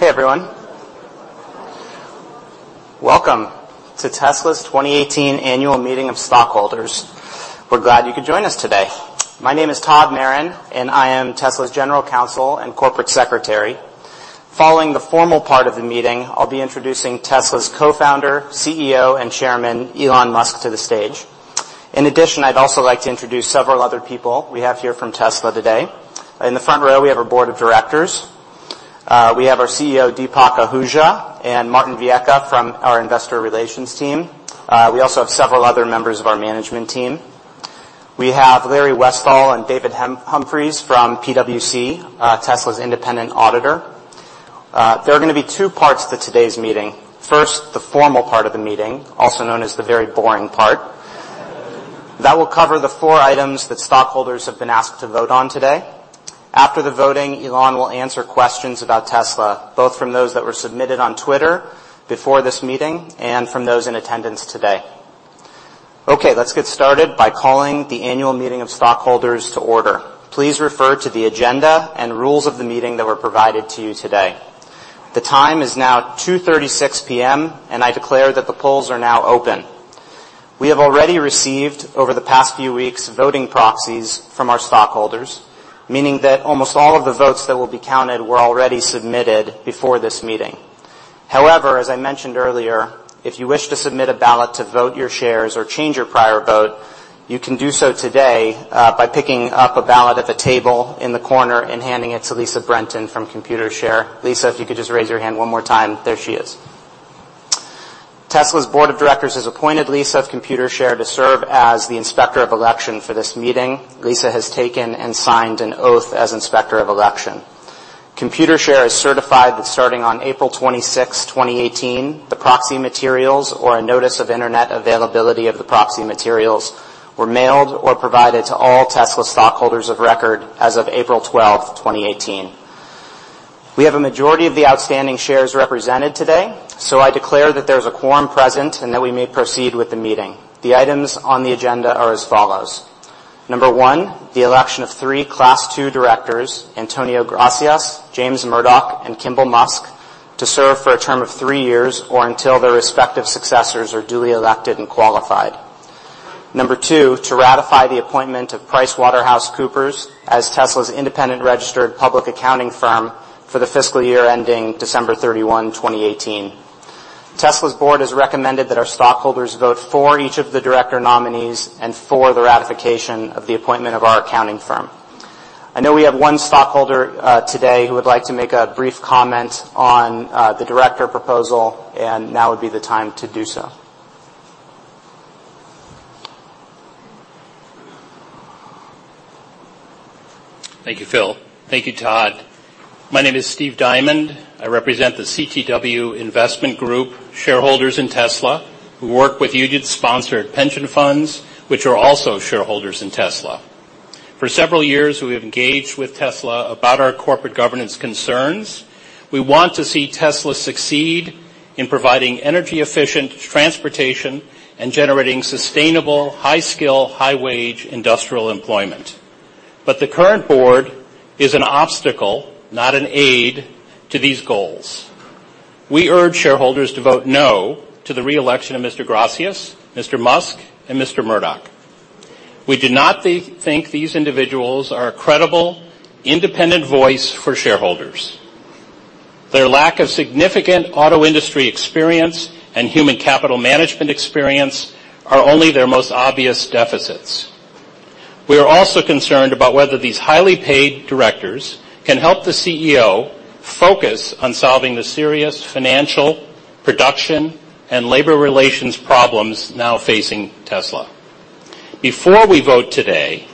Hey, everyone. Welcome to Tesla's 2018 annual meeting of stockholders. We're glad you could join us today. My name is Todd Maron, I am Tesla's General Counsel and Corporate Secretary. Following the formal part of the meeting, I'll be introducing Tesla's Co-founder, CEO, and Chairman, Elon Musk, to the stage. In addition, I'd also like to introduce several other people we have here from Tesla today. In the front row, we have our board of directors. We have our CEO, Deepak Ahuja, and Martin Viecha from our investor relations team. We also have several other members of our management team. We have Larry Westfall and David Humphries from PwC, Tesla's independent auditor. There are gonna be two parts to today's meeting. First, the formal part of the meeting, also known as the very boring part. That will cover the four items that stockholders have been asked to vote on today. After the voting, Elon will answer questions about Tesla, both from those that were submitted on Twitter before this meeting and from those in attendance today. Okay, let's get started by calling the annual meeting of stockholders to order. Please refer to the agenda and rules of the meeting that were provided to you today. The time is now 2:36 P.M., and I declare that the polls are now open. We have already received, over the past few weeks, voting proxies from our stockholders, meaning that almost all of the votes that will be counted were already submitted before this meeting. However, as I mentioned earlier, if you wish to submit a ballot to vote your shares or change your prior vote, you can do so today, by picking up a ballot at the table in the corner and handing it to Lisa Brenton from Computershare. Lisa, if you could just raise your hand one more time. There she is. Tesla's board of directors has appointed Lisa of Computershare to serve as the Inspector of Election for this meeting. Lisa has taken and signed an oath as Inspector of Election. Computershare is certified that starting on April 26th, 2018, the proxy materials or a notice of internet availability of the proxy materials were mailed or provided to all Tesla stockholders of record as of April 12th, 2018. We have a majority of the outstanding shares represented today, so I declare that there's a quorum present and that we may proceed with the meeting. The items on the agenda are as follows. Number one, the election of three Class II directors, Antonio Gracias, James Murdoch, and Kimbal Musk, to serve for a term of three years or until their respective successors are duly elected and qualified. Number two, to ratify the appointment of PricewaterhouseCoopers as Tesla's independent registered public accounting firm for the fiscal year ending December 31st, 2018. Tesla's board has recommended that our stockholders vote for each of the director nominees and for the ratification of the appointment of our accounting firm. I know we have one stockholder today who would like to make a brief comment on the director proposal, and now would be the time to do so. Thank you, Phil. Thank you, Todd. My name is Steve Diamond. I represent the CtW Investment Group shareholders in Tesla, who work with union-sponsored pension funds, which are also shareholders in Tesla. For several years, we have engaged with Tesla about our corporate governance concerns. We want to see Tesla succeed in providing energy-efficient transportation and generating sustainable, high-skill, high-wage industrial employment. The current board is an obstacle, not an aid, to these goals. We urge shareholders to vote no to the re-election of Mr. Gracias, Mr. Musk, and Mr. Murdoch. We do not think these individuals are a credible, independent voice for shareholders. Their lack of significant auto industry experience and human capital management experience are only their most obvious deficits. We are also concerned about whether these highly paid directors can help the CEO focus on solving the serious financial, production, and labor relations problems now facing Tesla. Before we vote today,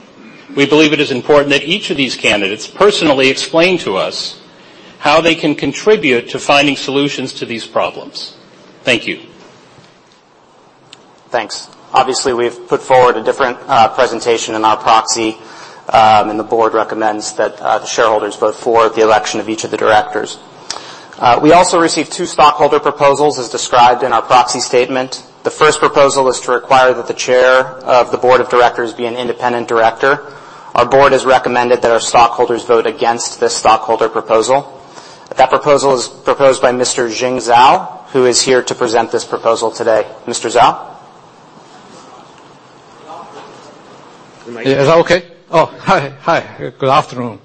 we believe it is important that each of these candidates personally explain to us how they can contribute to finding solutions to these problems. Thank you. Thanks. Obviously, we've put forward a different presentation in our proxy. The board recommends that the shareholders vote for the election of each of the directors. We also received two stockholder proposals as described in our proxy statement. The first proposal is to require that the chair of the board of directors be an independent director. Our board has recommended that our stockholders vote against this stockholder proposal. That proposal is proposed by Mr. Jing Zhao, who is here to present this proposal today. Mr. Zhao? Is that okay? Oh, hi. Hi. Good afternoon.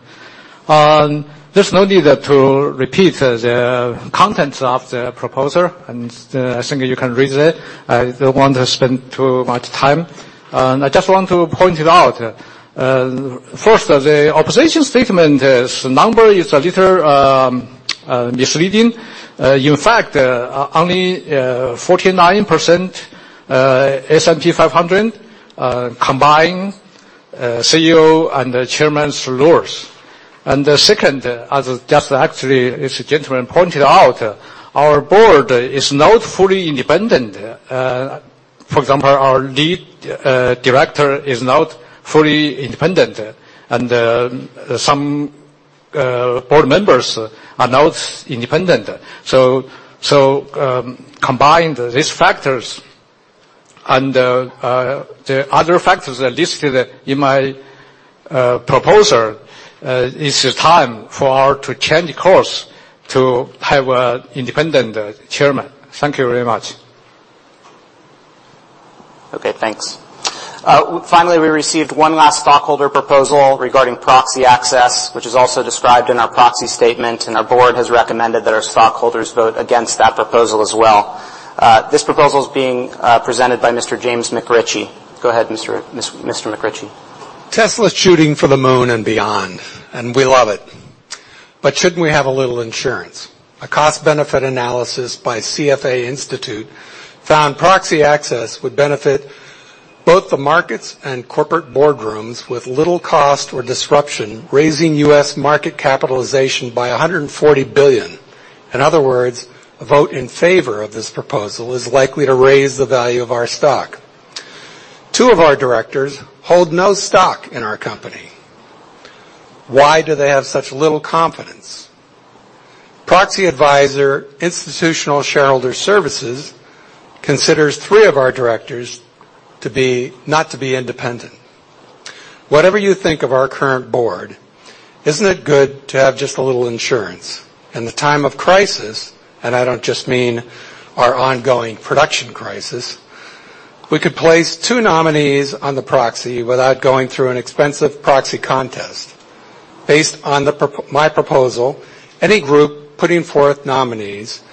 There's no need to repeat the contents of the proposal, and I think you can read it. I don't want to spend too much time. I just want to point it out. First, the opposition statement is a little misleading. In fact, only 49% S&P 500 combined CEO and chairman's roles. The second, as just actually as a gentleman pointed out, our board is not fully independent. For example, our lead director is not fully independent, and some board members are not independent. Combined these factors. The other factors that listed in my proposal, it's the time for our to change course to have an independent chairman. Thank you very much. Okay, thanks. Finally, we received one last stockholder proposal regarding proxy access, which is also described in our proxy statement, and our board has recommended that our stockholders vote against that proposal as well. This proposal is being presented by Mr. James McRitchie. Go ahead, Mr. McRitchie. Tesla's shooting for the Moon and beyond, we love it. Shouldn't we have a little insurance? A cost-benefit analysis by CFA Institute found proxy access would benefit both the markets and corporate boardrooms with little cost or disruption, raising U.S. market capitalization by $140 billion. In other words, a vote in favor of this proposal is likely to raise the value of our stock. two of our directors hold no stock in our company. Why do they have such little confidence? Proxy advisor Institutional Shareholder Services considers three of our directors not to be independent. Whatever you think of our current board, isn't it good to have just a little insurance? In the time of crisis, I don't just mean our ongoing production crisis, we could place two nominees on the proxy without going through an expensive proxy contest. Based on my proposal, any group putting forth nominees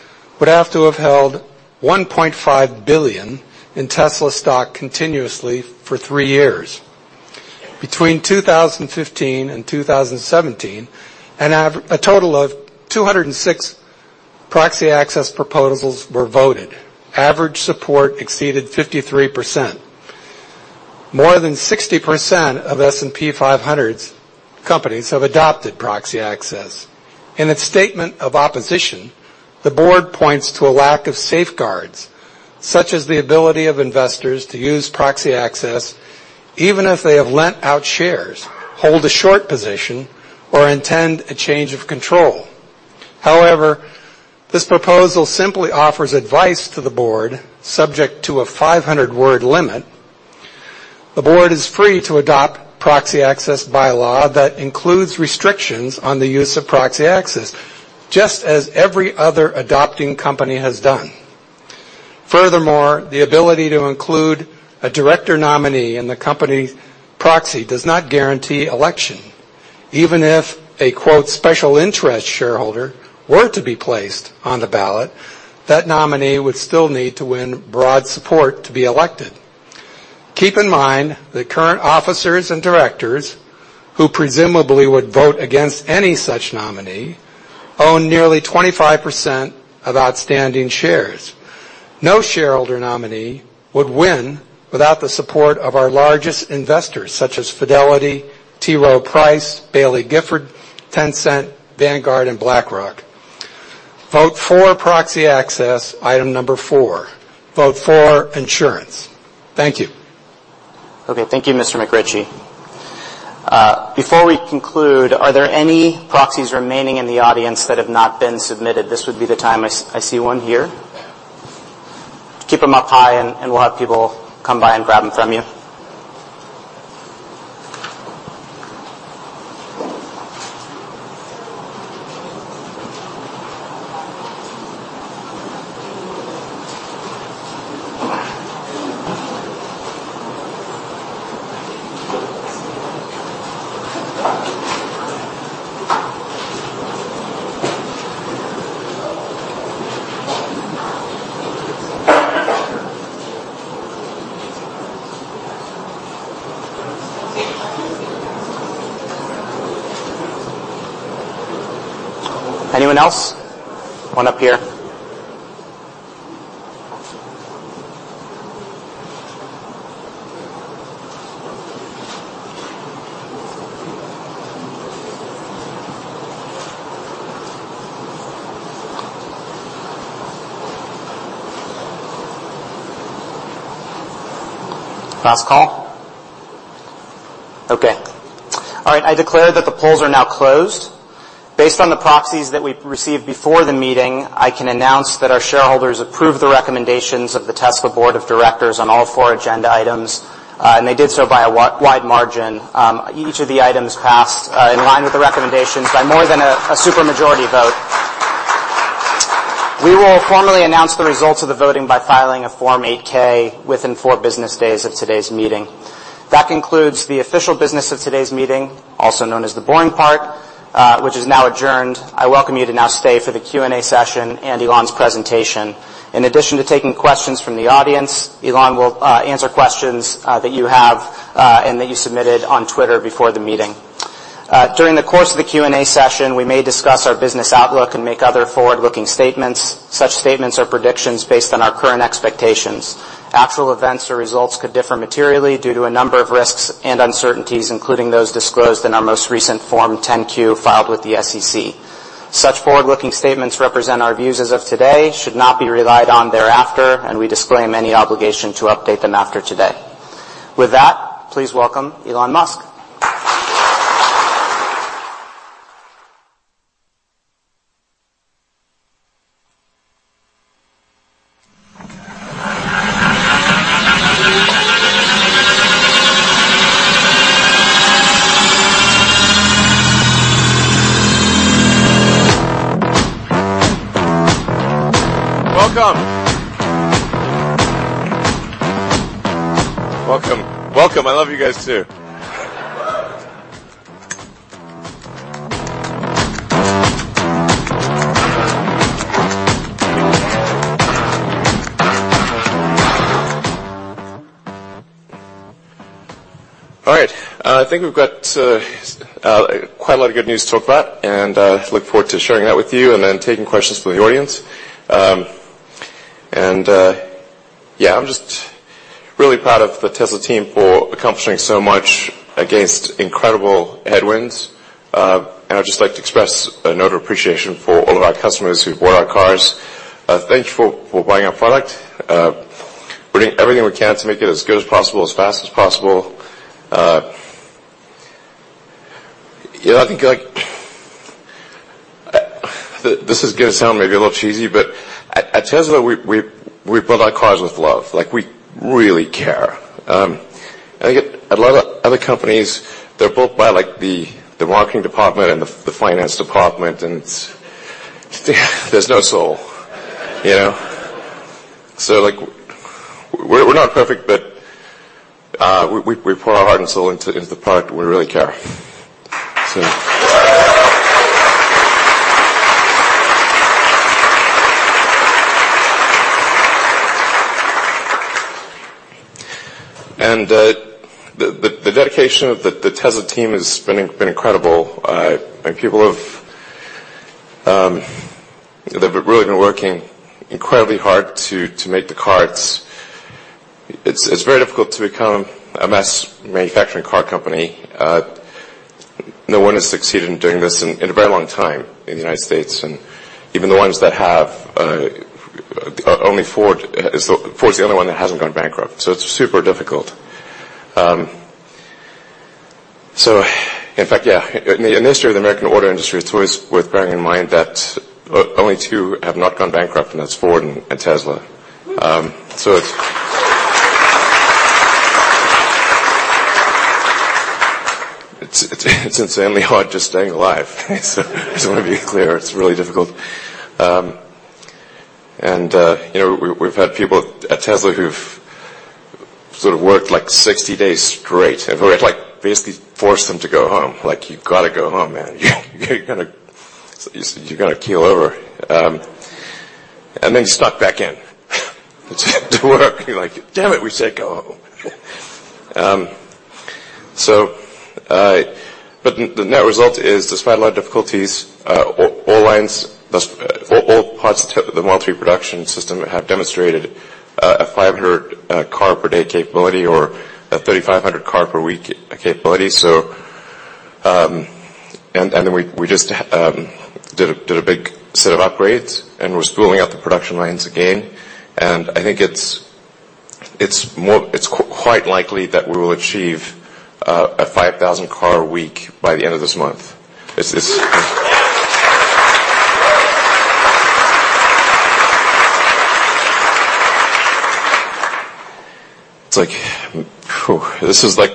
would have to have held $1.5 billion in Tesla stock continuously for three years. Between 2015 and 2017, a total of 206 proxy access proposals were voted. Average support exceeded 53%. More than 60% of S&P 500's companies have adopted proxy access. In its statement of opposition, the board points to a lack of safeguards, such as the ability of investors to use proxy access even if they have lent out shares, hold a short position, or intend a change of control. However, this proposal simply offers advice to the board, subject to a 500-word limit. The board is free to adopt proxy access bylaw that includes restrictions on the use of proxy access, just as every other adopting company has done. Furthermore, the ability to include a director nominee in the company's proxy does not guarantee election. Even if a, quote, "special interest shareholder" were to be placed on the ballot, that nominee would still need to win broad support to be elected. Keep in mind that current officers and directors, who presumably would vote against any such nominee, own nearly 25% of outstanding shares. No shareholder nominee would win without the support of our largest investors, such as Fidelity, T. Rowe Price, Baillie Gifford, Tencent, Vanguard, and BlackRock. Vote for proxy access, item number four. Vote for insurance. Thank you. Okay, thank you, Mr. McRitchie. Before we conclude, are there any proxies remaining in the audience that have not been submitted? This would be the time. I see one here. Keep them up high, and we'll have people come by and grab them from you. Anyone else? One up here. Last call. Okay. I declare that the polls are now closed. Based on the proxies that we've received before the meeting, I can announce that our shareholders approved the recommendations of the Tesla board of directors on all four agenda items, and they did so by a wide margin. Each of the items passed in line with the recommendations by more than a super majority vote. We will formally announce the results of the voting by filing a Form 8-K within four business days of today's meeting. That concludes the official business of today's meeting, also known as the boring part, which is now adjourned. I welcome you to now stay for the Q&A session and Elon's presentation. In addition to taking questions from the audience, Elon will answer questions that you have and that you submitted on Twitter before the meeting. During the course of the Q&A session, we may discuss our business outlook and make other forward-looking statements. Such statements are predictions based on our current expectations. Actual events or results could differ materially due to a number of risks and uncertainties, including those disclosed in our most recent Form 10-Q, filed with the SEC. Such forward-looking statements represent our views as of today, should not be relied on thereafter, and we disclaim any obligation to update them after today. With that, please welcome Elon Musk. Welcome. Welcome. Welcome. I love you guys too. All right. I think we've got quite a lot of good news to talk about, and look forward to sharing that with you and then taking questions from the audience. Yeah, I'm just really proud of the Tesla team for accomplishing so much against incredible headwinds. I'd just like to express a note of appreciation for all of our customers who bought our cars. Thank you for buying our product. We're doing everything we can to make it as good as possible, as fast as possible. Yeah, I think, like, this is gonna sound maybe a little cheesy, but at Tesla, we build our cars with love. Like, we really care. I think at a lot of other companies, they're built by, like, the marketing department and the finance department, and it's, there's no soul. You know. Like, we're not perfect, but, we pour our heart and soul into the product. We really care. The dedication of the Tesla team has been incredible. People have, they've really been working incredibly hard to make the cars. It's very difficult to become a mass manufacturing car company. No one has succeeded in doing this in a very long time in the United States, and even the ones that have, only Ford's the only one that hasn't gone bankrupt. It's super difficult. In fact, yeah, in the history of the American auto industry, it's always worth bearing in mind that only two have not gone bankrupt, and that's Ford and Tesla. It's insanely hard just staying alive. I just wanna be clear, it's really difficult. You know, we've had people at Tesla who've sort of worked, like, 60 days straight. We've, like, basically forced them to go home. Like, "You've gotta go home, man. You gotta keel over." And then you step back in to work. You're like, "Damn it, we said go home." The net result is, despite a lot of difficulties, all lines, those, all parts of the Model 3 production system have demonstrated a 500 car per day capability or a 3,500 car per week capability. We just did a big set of upgrades, and we're spooling up the production lines again. I think it's quite likely that we will achieve a 5,000 car a week by the end of this month. It's like, whew. This is like,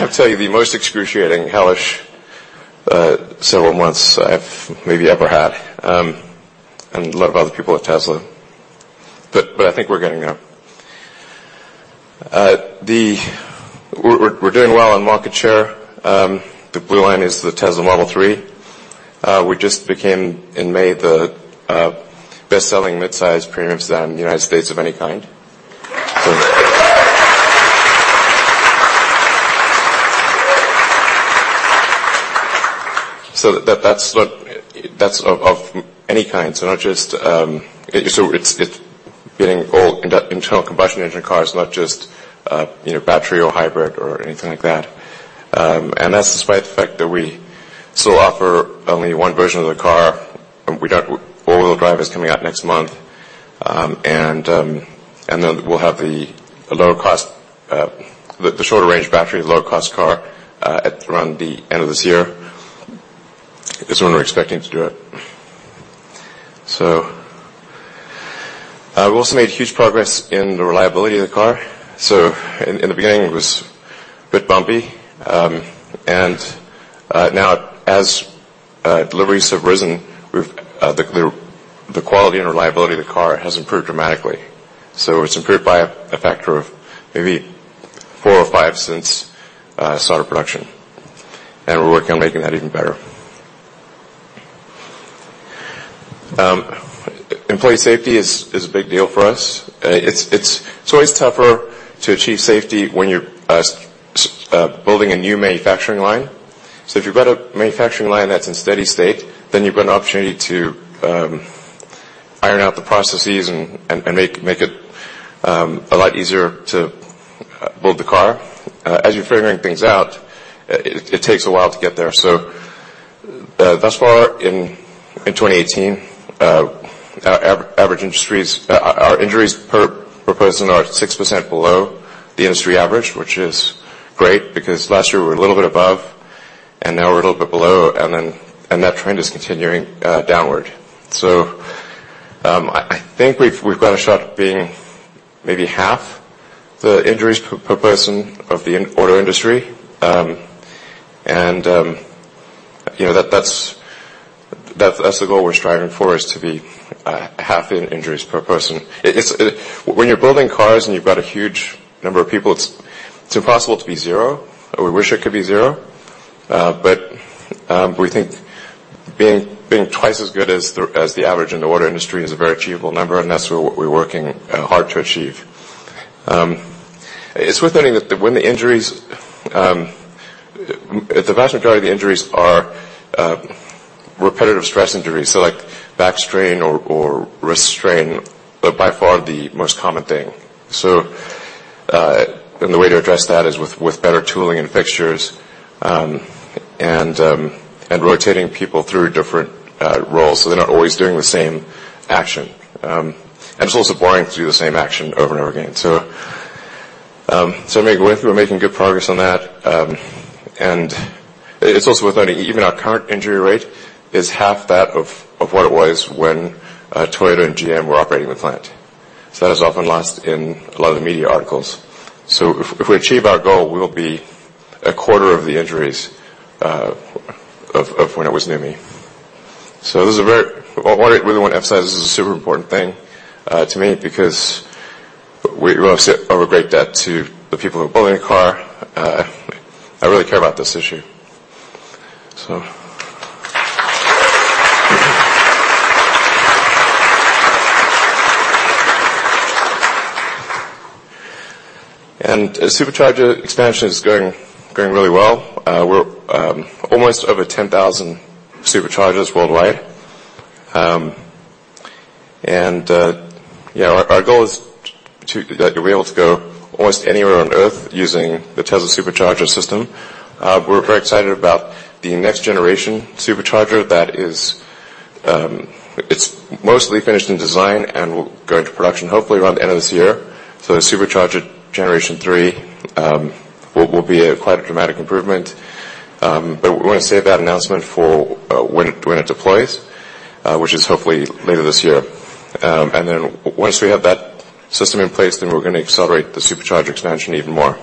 I'll tell you, the most excruciating, hellish, several months I've maybe ever had, and a lot of other people at Tesla. I think we're getting there. We're doing well on market share. The blue line is the Tesla Model 3. We just became, in May, the best-selling midsize premium sedan in the U.S. of any kind. That's not, that's of any kind. Not just, it's getting all internal combustion engine cars, not just, you know, battery or hybrid or anything like that. That's despite the fact that we still offer only 1 version of the car. All-wheel drive is coming out next month. Then we'll have the lower cost, the shorter range battery, lower cost car, at around the end of this year, is when we're expecting to do it. We also made huge progress in the reliability of the car. In the beginning, it was a bit bumpy. Now as deliveries have risen, we've the quality and reliability of the car has improved dramatically. It's improved by a factor of maybe four or five since start of production, and we're working on making that even better. Employee safety is a big deal for us. It's always tougher to achieve safety when you're building a new manufacturing line. If you've got a manufacturing line that's in steady state, then you've got an opportunity to iron out the processes and make it a lot easier to build the car. As you're figuring things out, it takes a while to get there. Thus far in 2018, our average industries, our injuries per person are 6% below the industry average, which is great, because last year we were a little bit above. And now we're a little bit below, and that trend is continuing downward. I think we've got a shot at being maybe half the injuries per person of the auto industry. And, you know, that's, that's the goal we're striving for, is to be half the injuries per person. When you're building cars and you've got a huge number of people, it's impossible to be zero. We wish it could be zero. We think being twice as good as the average in the auto industry is a very achievable number, and that's what we're working hard to achieve. It's worth noting that when the injuries, the vast majority of the injuries are repetitive stress injuries. Like back strain or wrist strain are by far the most common thing. The way to address that is with better tooling and fixtures, and rotating people through different roles, so they're not always doing the same action. It's also boring to do the same action over and over again. We're making good progress on that. It's also worth noting, even our current injury rate is half that of what it was when Toyota and GM were operating the plant. That is often lost in a lot of the media articles. If we achieve our goal, we will be a quarter of the injuries of when it was NUMMI. What I really wanna emphasize, this is a super important thing to me because we owe a great debt to the people who built the car. I really care about this issue. Supercharger expansion is going really well. We're almost over 10,000 Superchargers worldwide. You know, our goal is to that you'll be able to go almost anywhere on Earth using the Tesla Supercharger system. We're very excited about the next generation Supercharger that is mostly finished in design and will go into production hopefully around the end of this year. The Supercharger generation three will be a quite a dramatic improvement. We wanna save that announcement for when it deploys, which is hopefully later this year. Once we have that system in place, then we're gonna accelerate the Supercharger expansion even more.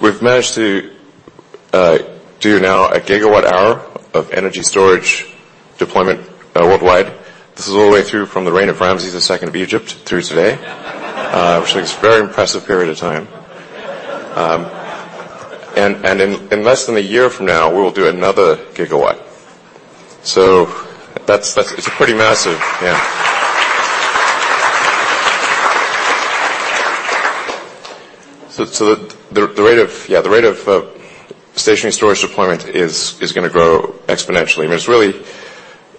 We've managed to do now a gigawatt-hour of energy storage deployment worldwide. This is all the way through from the reign of Ramses II of Egypt through today, which is a very impressive period of time. In less than a year from now, we will do another gigawatt. That's It's pretty massive. Yeah. The rate of stationary storage deployment is gonna grow exponentially. I mean,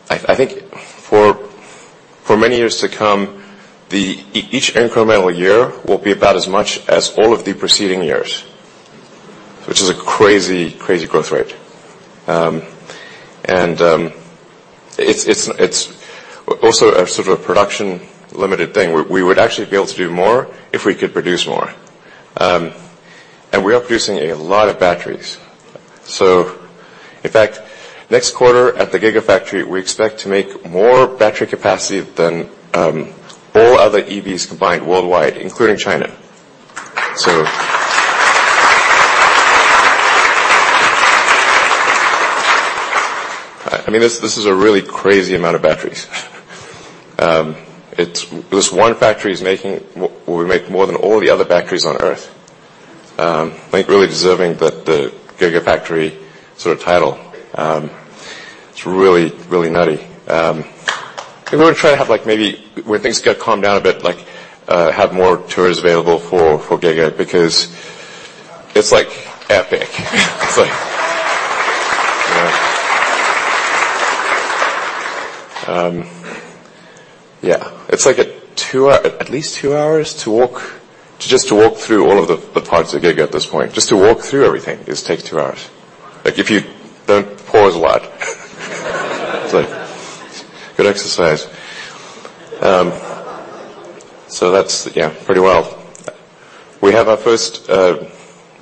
I think for many years to come, each incremental year will be about as much as all of the preceding years, which is a crazy growth rate. It's also a sort of a production-limited thing, where we would actually be able to do more if we could produce more. We are producing a lot of batteries. In fact, next quarter at the Gigafactory, we expect to make more battery capacity than all other EVs combined worldwide, including China. I mean, this is a really crazy amount of batteries. This one factory is making, will make more than all the other factories on Earth. Like, really deserving the Gigafactory sort of title. It's really, really nutty. We're gonna try to have like maybe when things get calmed down a bit, like, have more tours available for Giga because it's like epic. Yeah. It's like at least two hours to walk, just to walk through all of the parts of Giga at this point. Just to walk through everything, it takes two hours. Like, if you don't pause a lot. It's like good exercise. So that's, yeah, pretty well. We have our first early.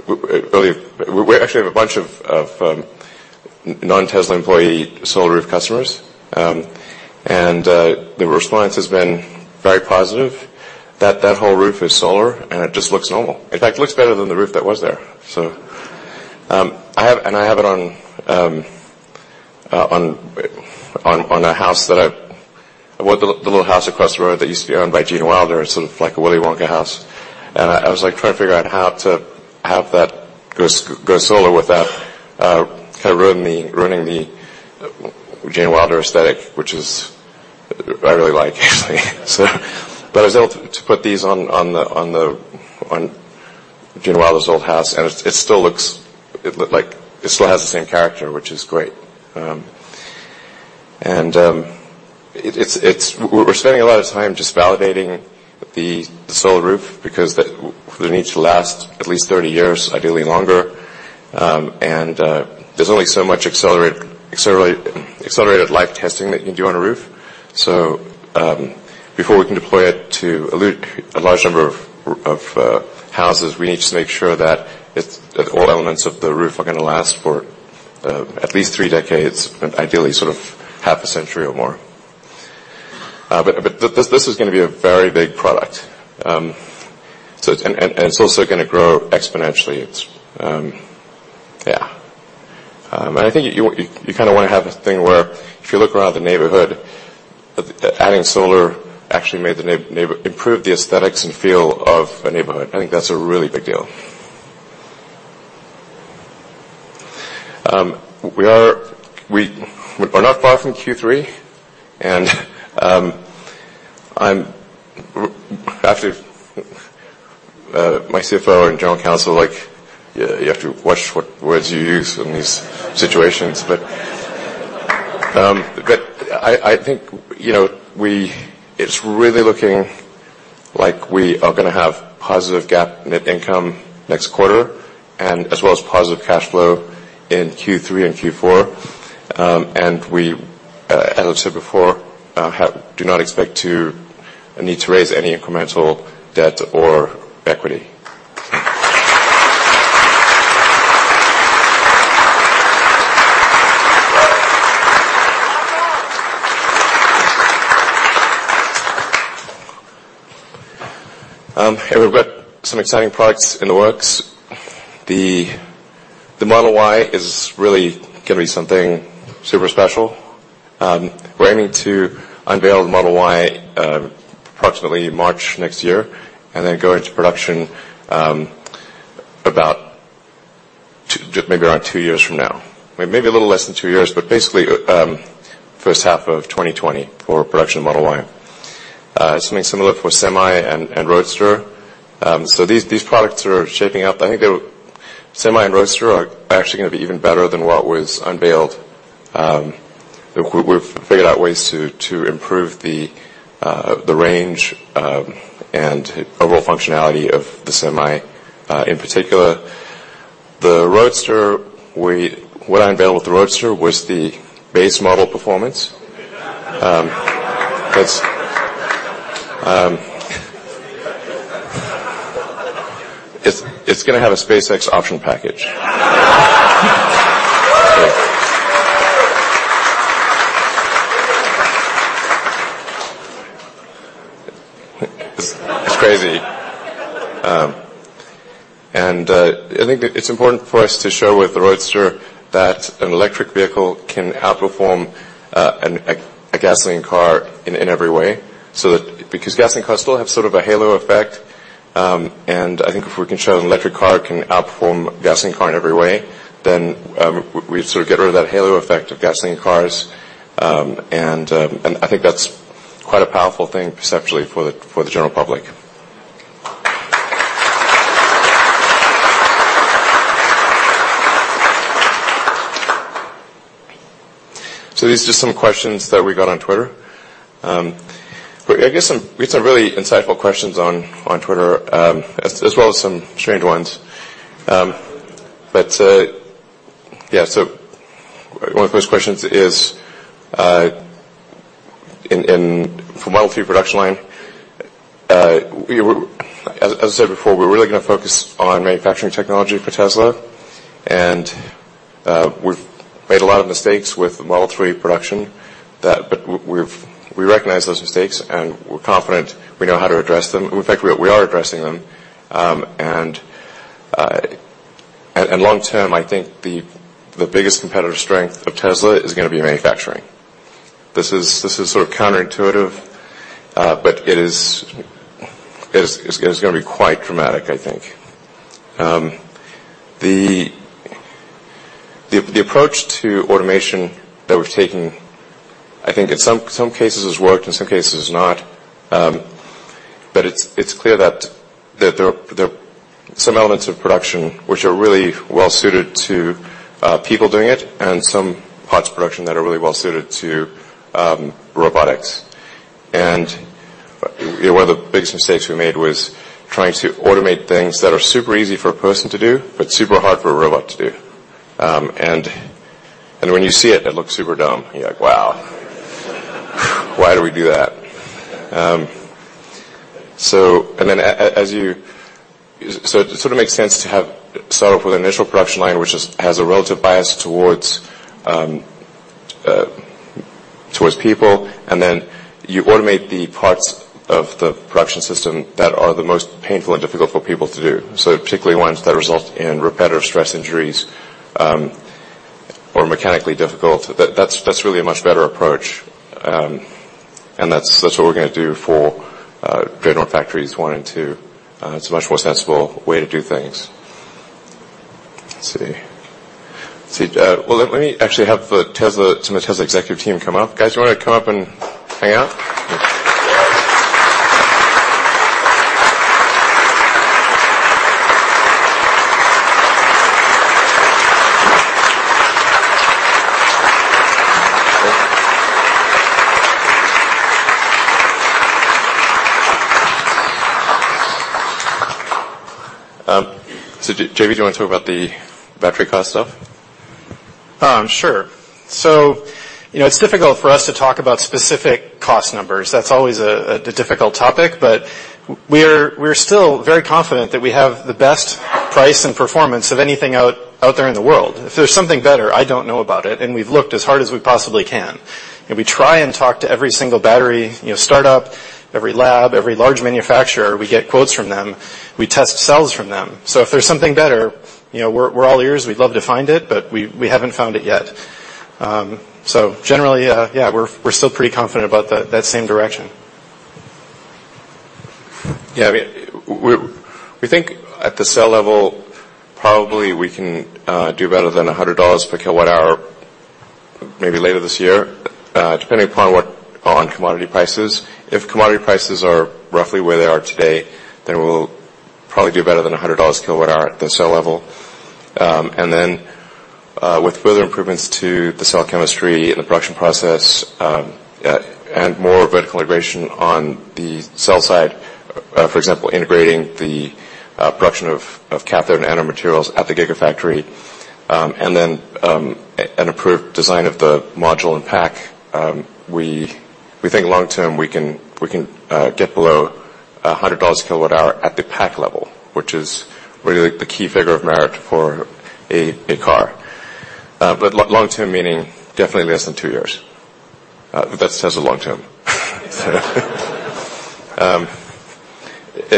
We actually have a bunch of non-Tesla employee Solar Roof customers. The response has been very positive. That whole roof is solar, and it just looks normal. In fact, it looks better than the roof that was there. I have it on a house that I've, the little house across the road that used to be owned by Gene Wilder. It's sort of like a Willy Wonka house. I was, like, trying to figure out how to have that go solar without kinda ruining the Gene Wilder aesthetic, which I really like actually. I was able to put these on the Gene Wilder's old house, and it looked like it still has the same character, which is great. We're spending a lot of time just validating the Solar Roof because they need to last at least 30 years, ideally longer. There's only so much accelerated life testing that you can do on a roof. Before we can deploy it to a large number of houses, we need to make sure that all elements of the roof are gonna last for at least three decades, and ideally sort of half a century or more. This is gonna be a very big product. It's also gonna grow exponentially. I think you wanna have a thing where if you look around the neighborhood, that adding solar actually improved the aesthetics and feel of a neighborhood. I think that's a really big deal. We're not far from Q3. My CFO and General Counsel are like, "You have to watch what words you use in these situations." I think, you know, it's really looking like we are gonna have positive GAAP net income next quarter, as well as positive cash flow in Q3 and Q4. We, as I've said before, do not expect to need to raise any incremental debt or equity. We've got some exciting products in the works. The Model Y is really gonna be something super special. We're aiming to unveil the Model Y, approximately March next year, and then go into production, about two, maybe around two years from now. Maybe a little less than two years, but basically, first half of 2020 for production of Model Y. Something similar for Semi and Roadster. So these products are shaping up. I think the Semi and Roadster are actually gonna be even better than what was unveiled. We've figured out ways to improve the range and overall functionality of the Semi in particular. The Roadster, what I unveiled with the Roadster was the base model performance. That's, it's gonna have a SpaceX option package. It's crazy. I think it's important for us to show with the Roadster that an electric vehicle can outperform a gasoline car in every way, because gasoline cars still have sort of a halo effect. I think if we can show that an electric car can outperform a gasoline car in every way, then we sort of get rid of that halo effect of gasoline cars. I think that's quite a powerful thing perceptually for the general public. These are just some questions that we got on Twitter. We got some really insightful questions on Twitter as well as some strange ones. One of the first questions is, for Model 3 production line, As I said before, we're really gonna focus on manufacturing technology for Tesla. We've made a lot of mistakes with Model 3 production. We recognize those mistakes, and we're confident we know how to address them. In fact, we are addressing them. Long term, I think the biggest competitive strength of Tesla is gonna be manufacturing. This is sort of counterintuitive, but it's gonna be quite dramatic, I think. The approach to automation that we've taken, I think in some cases has worked, in some cases has not. It's clear that there are some elements of production which are really well suited to people doing it, and some parts of production that are really well suited to robotics. One of the biggest mistakes we made was trying to automate things that are super easy for a person to do, but super hard for a robot to do. When you see it looks super dumb. You're like, "Wow." "Why do we do that?" It sort of makes sense to start off with an initial production line which has a relative bias towards people, and then you automate the parts of the production system that are the most painful and difficult for people to do. Particularly ones that result in repetitive stress injuries, or are mechanically difficult. That's really a much better approach. That's what we're gonna do for Gigafactories one and two. It's a much more sensible way to do things. Let's see. Let me actually have the Tesla executive team come up. Guys, you wanna come up and hang out? JB, do you wanna talk about the battery cost stuff? Sure. You know, it's difficult for us to talk about specific cost numbers. That's always a difficult topic, but we're still very confident that we have the best price and performance of anything out there in the world. If there's something better, I don't know about it, and we've looked as hard as we possibly can. We try and talk to every single battery, you know, startup, every lab, every large manufacturer. We get quotes from them. We test cells from them. If there's something better, you know, we're all ears, we'd love to find it, but we haven't found it yet. Generally, yeah, we're still pretty confident about that same direction. Yeah, I mean, we think at the cell level, probably we can do better than $100 kWh, maybe later this year, depending upon what, on commodity prices. If commodity prices are roughly where they are today, we'll probably do better than $100 kWh at the cell level. With further improvements to the cell chemistry and the production process, and more vertical integration on the cell side, for example, integrating the production of cathode and nano materials at the Gigafactory, an improved design of the module and pack, we think long term, we can get below $100 kWh at the pack level, which is really the key figure of merit for a car. Long term meaning definitely less than two years. That says the long term.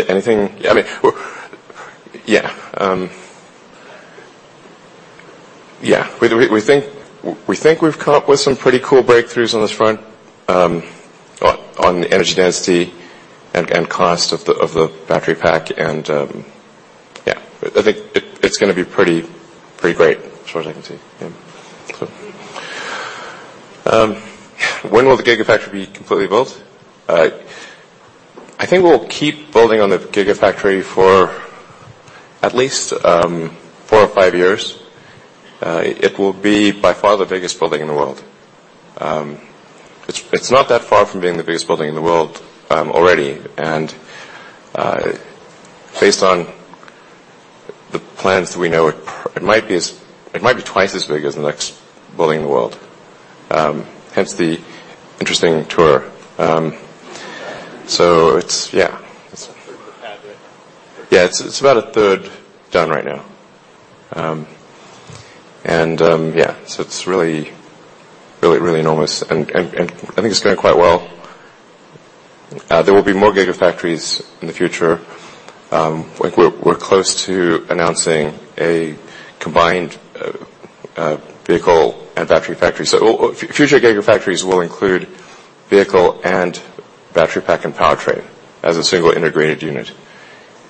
Anything I mean, Yeah. Yeah, we think we've come up with some pretty cool breakthroughs on this front, on the energy density and cost of the battery pack and yeah. I think it's gonna be pretty great, as far as I can see. Yeah. When will the Gigafactory be completely built? I think we'll keep building on the Gigafactory for at least four or five years. It will be by far the biggest building in the world. It's not that far from being the biggest building in the world already. Based on the plans that we know, it might be twice as big as the next building in the world. Hence the interesting tour. It's, yeah. A third of it is done. Yeah, it's about a third done right now. Yeah. It's really, really, really enormous. I think it's going quite well. There will be more Gigafactories in the future. Like we're close to announcing a combined vehicle and battery factory. Future Gigafactories will include vehicle and battery pack and powertrain as a single integrated unit.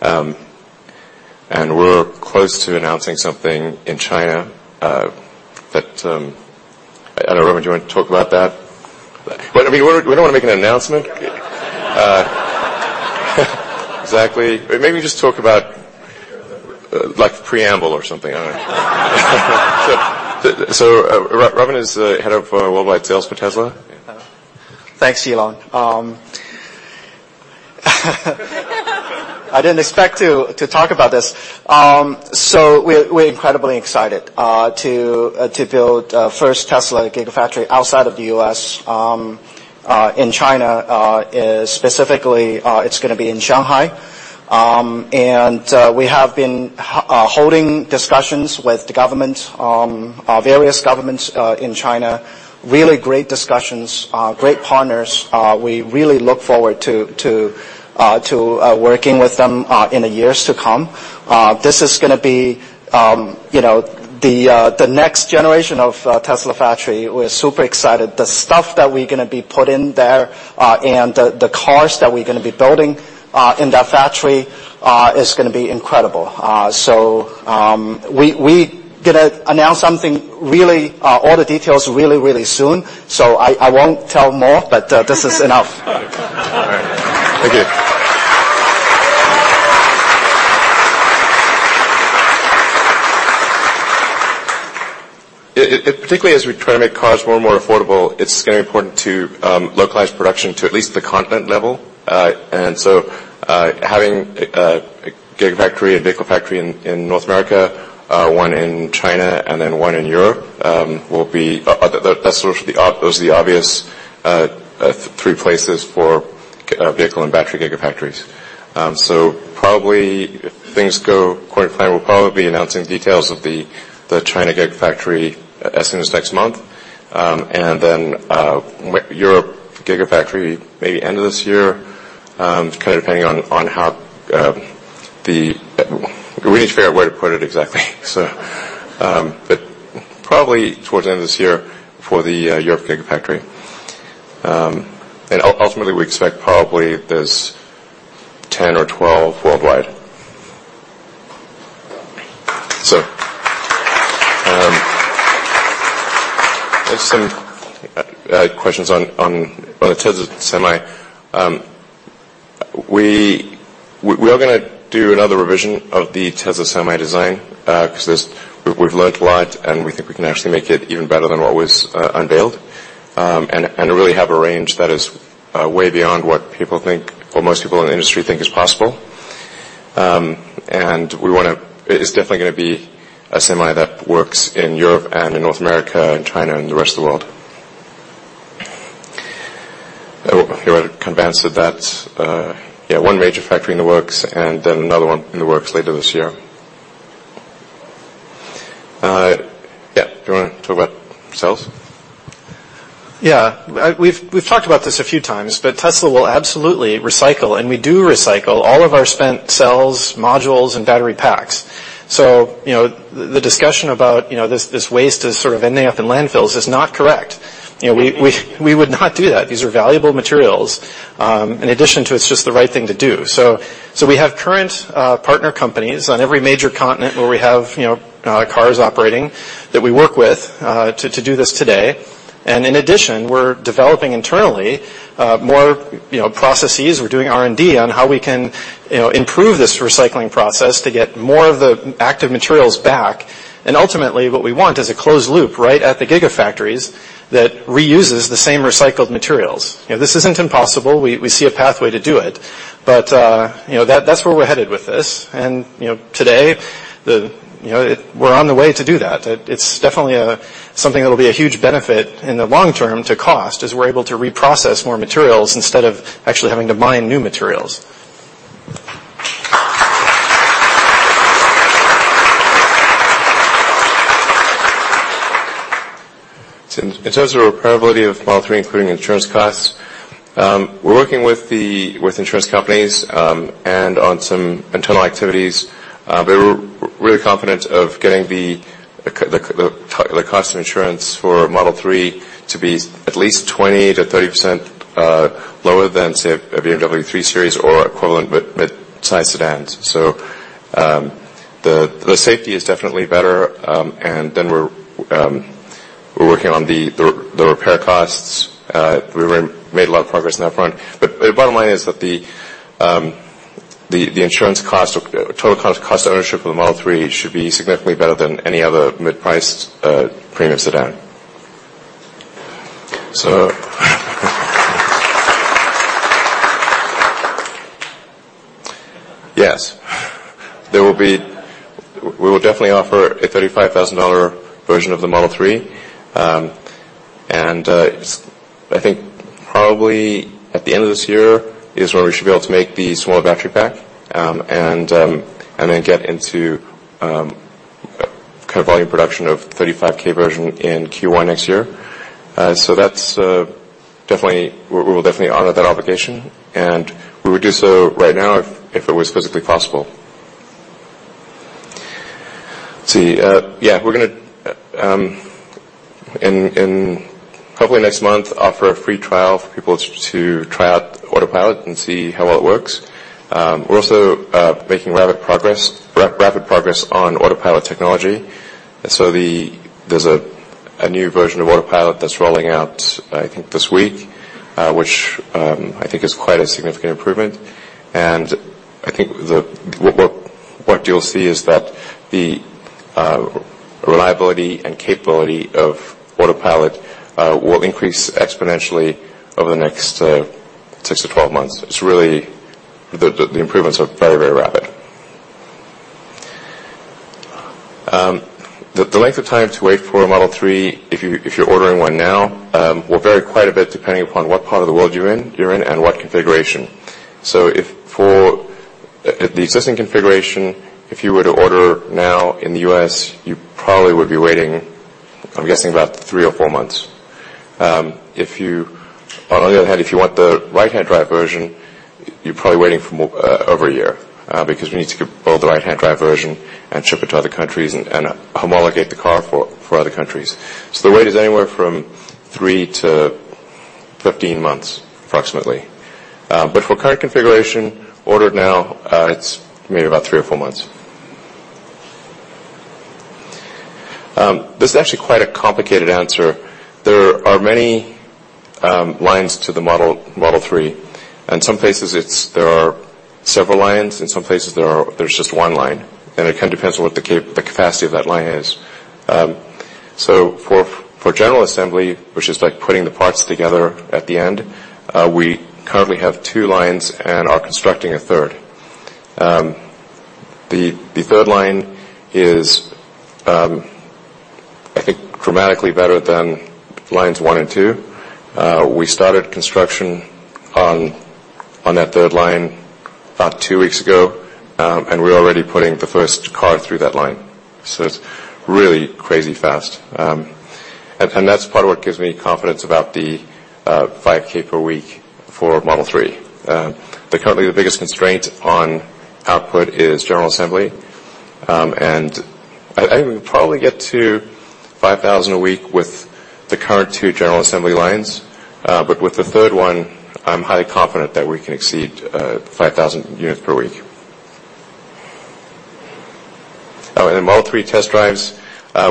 We're close to announcing something in China, that, I don't know, Robin, do you wanna talk about that? I mean, we don't wanna make an announcement. Exactly. Maybe just talk about, like the preamble or something. I don't know. Robin is the head of Worldwide Sales for Tesla. Yeah. Thanks, Elon. I didn't expect to talk about this. We're incredibly excited to build first Tesla Gigafactory outside of the U.S. in China. Specifically, it's gonna be in Shanghai. We have been holding discussions with the government, various governments in China. Really great discussions, great partners. We really look forward to working with them in the years to come. This is gonna be, you know, the next generation of Tesla factory. We're super excited. The stuff that we're gonna be putting there and the cars that we're gonna be building in that factory is gonna be incredible. We gonna announce something really, all the details really soon. I won't tell more. This is enough. All right. Thank you. Particularly as we try to make cars more and more affordable, it's gonna be important to localize production to at least the continent level. Having a Gigafactory, a vehicle factory in North America, one in China, one in Europe, those are the obvious three places for vehicle and battery Gigafactories. Probably if things go according to plan, we'll probably be announcing details of the China Gigafactory as soon as next month. Europe Gigafactory, maybe end of this year, kinda depending on how, we need to figure out where to put it exactly. Probably towards the end of this year for the Europe Gigafactory. Ultimately, we expect probably there's 10 or 12 worldwide. There's some questions on the Tesla Semi. We are gonna do another revision of the Tesla Semi design, 'cause we've learned a lot, and we think we can actually make it even better than what was unveiled. Really have a range that is way beyond what people think or most people in the industry think is possible. It is definitely gonna be a semi that works in Europe and in North America and China and the rest of the world. If you wanna convince that that's one major factor in the works, then another one in the works later this year. Do you wanna talk about cells? We've talked about this a few times, Tesla will absolutely recycle, and we do recycle all of our spent cells, modules, and battery packs. You know, the discussion about, you know, this waste is sort of ending up in landfills is not correct. You know, we would not do that. These are valuable materials, in addition to it's just the right thing to do. We have current partner companies on every major continent where we have, you know, cars operating that we work with to do this today. In addition, we're developing internally more, you know, processes. We're doing R&D on how we can, you know, improve this recycling process to get more of the active materials back. Ultimately, what we want is a closed loop right at the Gigafactories that reuses the same recycled materials. You know, this isn't impossible. We see a pathway to do it, but, you know, that's where we're headed with this. You know, today, we're on the way to do that. It's definitely something that'll be a huge benefit in the long term to cost as we're able to reprocess more materials instead of actually having to mine new materials. In terms of repairability of Model 3, including insurance costs, we're working with insurance companies and on some internal activities. We're confident of getting the cost of insurance for Model 3 to be at least 20%-30% lower than, say, a BMW 3 Series or equivalent mid-sized sedans. The safety is definitely better, and then we're working on the repair costs. We've made a lot of progress on that front. The bottom line is that the insurance cost or total cost of ownership of the Model 3 should be significantly better than any other mid-priced premium sedan. Yes. We will definitely offer a $35,000 version of the Model 3. I think probably at the end of this year is when we should be able to make the smaller battery pack, and then get into kind of volume production of $35K version in Q1 next year. We will definitely honor that obligation, and we would do so right now if it was physically possible. Let's see. Yeah, we're gonna probably next month offer a free trial for people to try out Autopilot and see how well it works. We're also making rapid progress on Autopilot technology. There's a new version of Autopilot that's rolling out, I think, this week, which I think is quite a significant improvement. I think what you'll see is that the reliability and capability of Autopilot will increase exponentially over the next 6-12 months. It's really the improvements are very, very rapid. The length of time to wait for a Model 3, if you're ordering one now, will vary quite a bit depending upon what part of the world you're in and what configuration. At the existing configuration, if you were to order now in the U.S., you probably would be waiting, I'm guessing about three or four months. On the other hand, if you want the right-hand drive version, you're probably waiting over a year because we need to build the right-hand drive version and ship it to other countries and homologate the car for other countries. The wait is anywhere from 3-15 months, approximately. For current configuration ordered now, it's maybe about three or four months. This is actually quite a complicated answer. There are many lines to the Model 3. In some cases, there are several lines. In some cases, there's just one line. It kind of depends on what the capacity of that line is. For general assembly, which is like putting the parts together at the end, we currently have two lines and are constructing a 3rd. The 3rd line is, I think dramatically better than lines one and two. We started construction on that 3rd line about two weeks ago, we're already putting the 1st car through that line. It's really crazy fast. That's part of what gives me confidence about the 5K per week for Model 3. Currently the biggest constraint on output is general assembly. I would probably get to 5,000 a week with the current two general assembly lines. With the 3rd one, I'm highly confident that we can exceed 5,000 units per week. Model 3 test drives,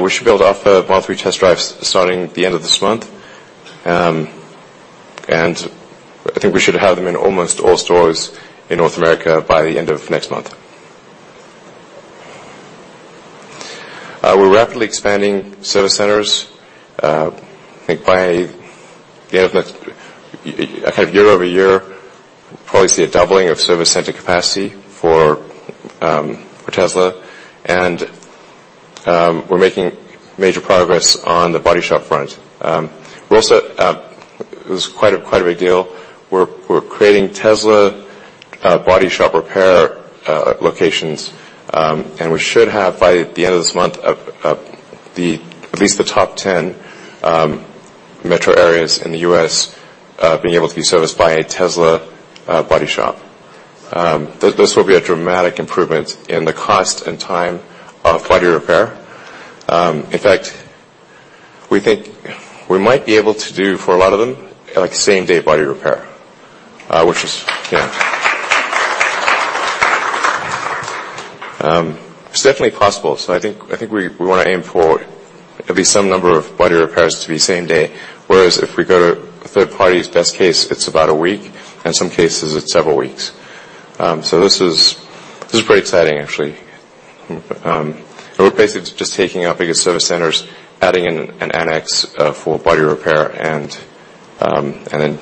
we should be able to offer Model 3 test drives starting at the end of this month. I think we should have them in almost all stores in North America by the end of next month. We're rapidly expanding service centers, I think by the end of next year-over-year, probably see a doubling of service center capacity for Tesla. We're making major progress on the body shop front. We're also, it was quite a big deal. We're creating Tesla body shop repair locations. We should have, by the end of this month, at least the top 10 metro areas in the U.S., being able to be serviced by a Tesla body shop. This will be a dramatic improvement in the cost and time of body repair. In fact, we think we might be able to do for a lot of them, like same-day body repair, which is, you know, it's definitely possible. I think we want to aim for at least some number of body repairs to be same day. Whereas if we go to a third party's best case, it's about a week. In some cases, it's several weeks. This is very exciting, actually. We're basically just taking our biggest service centers, adding in an annex for body repair and then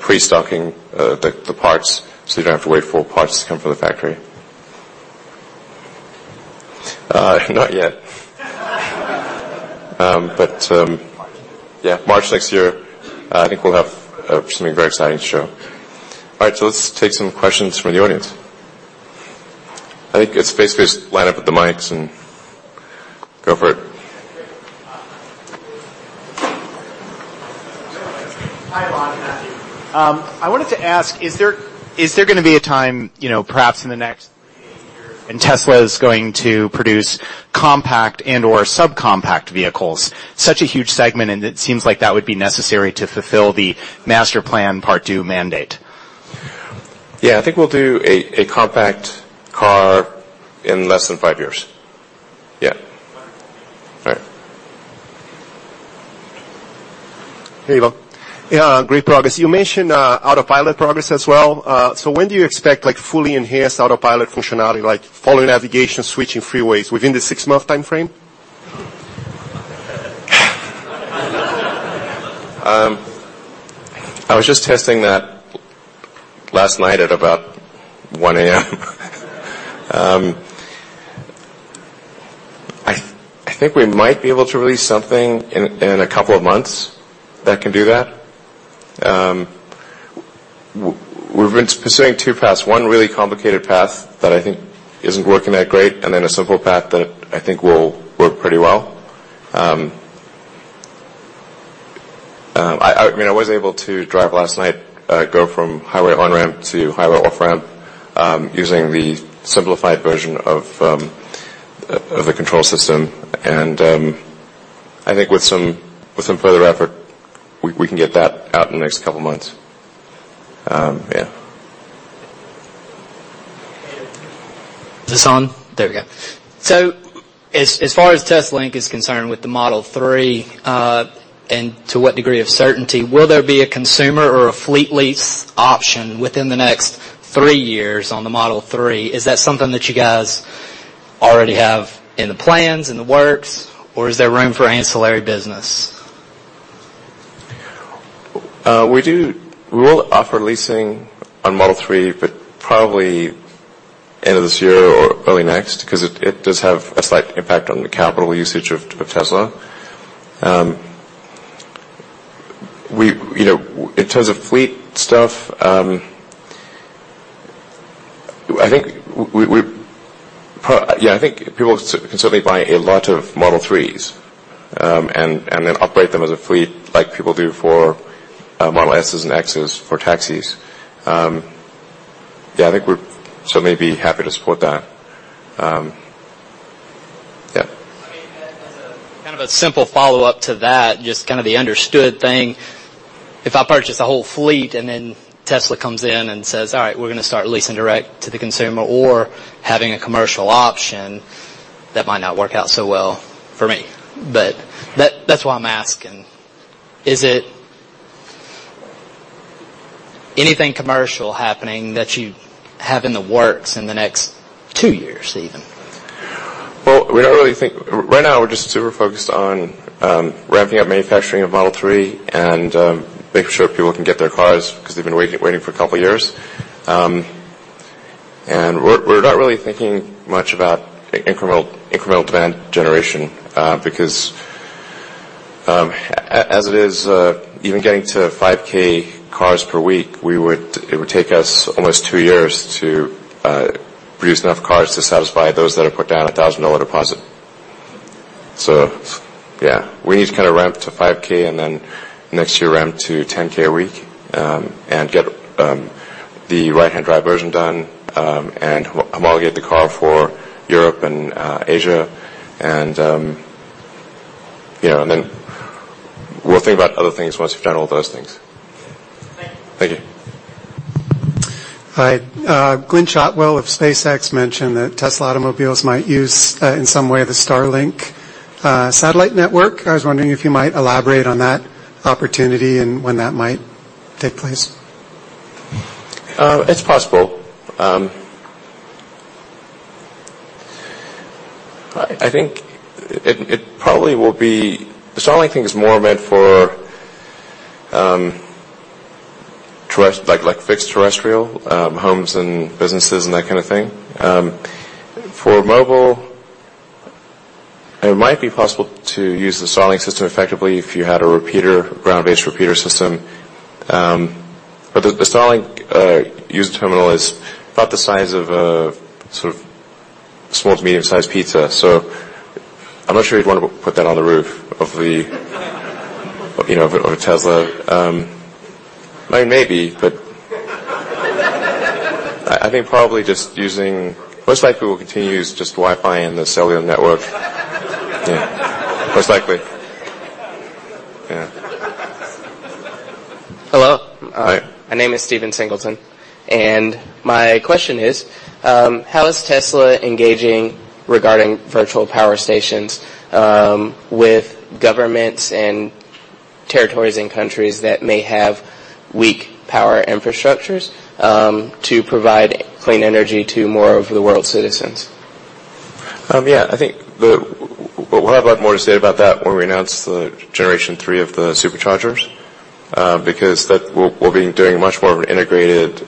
pre-stocking the parts so you don't have to wait for parts to come from the factory. Not yet. But. Yeah, March next year, I think we'll have something very exciting to show. All right, let's take some questions from the audience. I think it's best if you just line up at the mics and go for it. Hi, Elon. I wanted to ask, is there gonna be a time, you know, perhaps in the next year, when Tesla is going to produce compact and/or subcompact vehicles? Such a huge segment, and it seems like that would be necessary to fulfill the Master Plan Part Two mandate. Yeah, I think we'll do a compact car in less than five years. Yeah. All right. Hey, Elon. Yeah, great progress. You mentioned Autopilot progress as well. When do you expect like fully enhanced Autopilot functionality, like following navigation, switching freeways, within the six-month timeframe? I was just testing that last night at about 1:00 A.M. I think we might be able to release something in a couple of months that can do that. We've been pursuing two paths. One really complicated path that I think isn't working out great. Then a simple path that I think will work pretty well. I mean, I was able to drive last night, go from highway on-ramp to highway off-ramp, using the simplified version of the control system. I think with some further effort, we can get that out in the next couple months. Is this on? There we go. As far as Tesla is concerned with the Model 3, and to what degree of certainty, will there be a consumer or a fleet lease option within the next three years on the Model 3? Is that something that you guys already have in the plans, in the works, or is there room for ancillary business? We will offer leasing on Model 3, but probably end of this year or early next 'cause it does have a slight impact on the capital usage of Tesla. We, you know, in terms of fleet stuff, I think people can certainly buy a lot of Model 3s and then operate them as a fleet like people do for Model S's and X's for taxis. I think we're certainly be happy to support that. I mean, as a, kind of a simple follow-up to that, just kind of the understood thing, if I purchase a whole fleet and then Tesla comes in and says, "All right, we're gonna start leasing direct to the consumer," or having a commercial option, that might not work out so well for me. That, that's why I'm asking. Is it anything commercial happening that you have in the works in the next two years even? Well, we don't really think right now, we're just super focused on ramping up manufacturing of Model 3 and making sure people can get their cars 'cause they've been waiting for a couple years. And we're not really thinking much about incremental demand generation because as it is, even getting to 5K cars per week, it would take us almost two years to produce enough cars to satisfy those that have put down a $1,000 deposit. Yeah, we need to kind of ramp to 5K and then next year ramp to 10K a week and get the right-hand drive version done and homologate the car for Europe and Asia. You know, then we'll think about other things once we've done all those things. Thank you. Thank you. Hi. Gwynne Shotwell of SpaceX mentioned that Tesla automobiles might use in some way the Starlink satellite network. I was wondering if you might elaborate on that opportunity and when that might take place. It's possible. I think it probably will be. The Starlink thing is more meant for like fixed terrestrial homes and businesses and that kind of thing. For mobile, it might be possible to use the Starlink system effectively if you had a repeater, ground-based repeater system. But the Starlink user terminal is about the size of a sort of small to medium-sized pizza. I'm not sure you'd wanna put that on the roof of the you know, of a Tesla. I mean, maybe, but I think probably just using most likely we'll continue to use just Wi-Fi and the cellular network. Yeah. Most likely. Yeah. Hello. Hi. My name is Steven Singleton. My question is, how is Tesla engaging regarding virtual power stations with governments and territories in countries that may have weak power infrastructures to provide clean energy to more of the world's citizens? Yeah. I think we'll have a lot more to say about that when we announce the generation three of the Superchargers. That we'll be doing much more of an integrated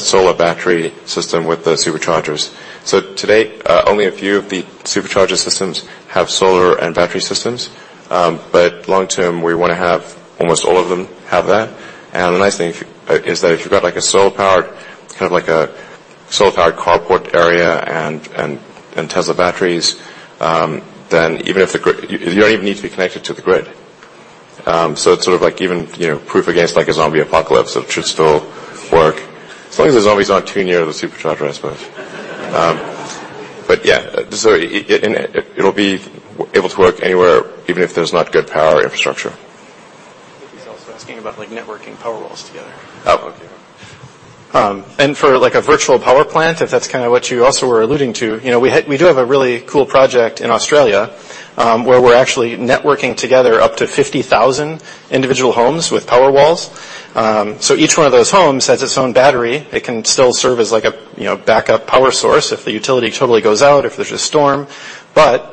solar battery system with the Superchargers. To date, only a few of the Supercharger systems have solar and battery systems. Long term, we wanna have almost all of them have that. The nice thing is that if you've got like a solar powered, kind of like a solar powered car port area and Tesla batteries, then even if the grid, you don't even need to be connected to the grid. It's sort of like even, you know, proof against like a zombie apocalypse. It should still work. As long as the zombies aren't too near the Supercharger, I suppose. Yeah. It'll be able to work anywhere, even if there's not good power infrastructure. I think he's also asking about, like, networking Powerwalls together. Oh, okay. For like a virtual power plant, if that's kind of what you also were alluding to, you know, we do have a really cool project in Australia, where we're actually networking together up to 50,000 individual homes with Powerwalls. Each one of those homes has its own battery. It can still serve as like a, you know, backup power source if the utility totally goes out, if there's a storm.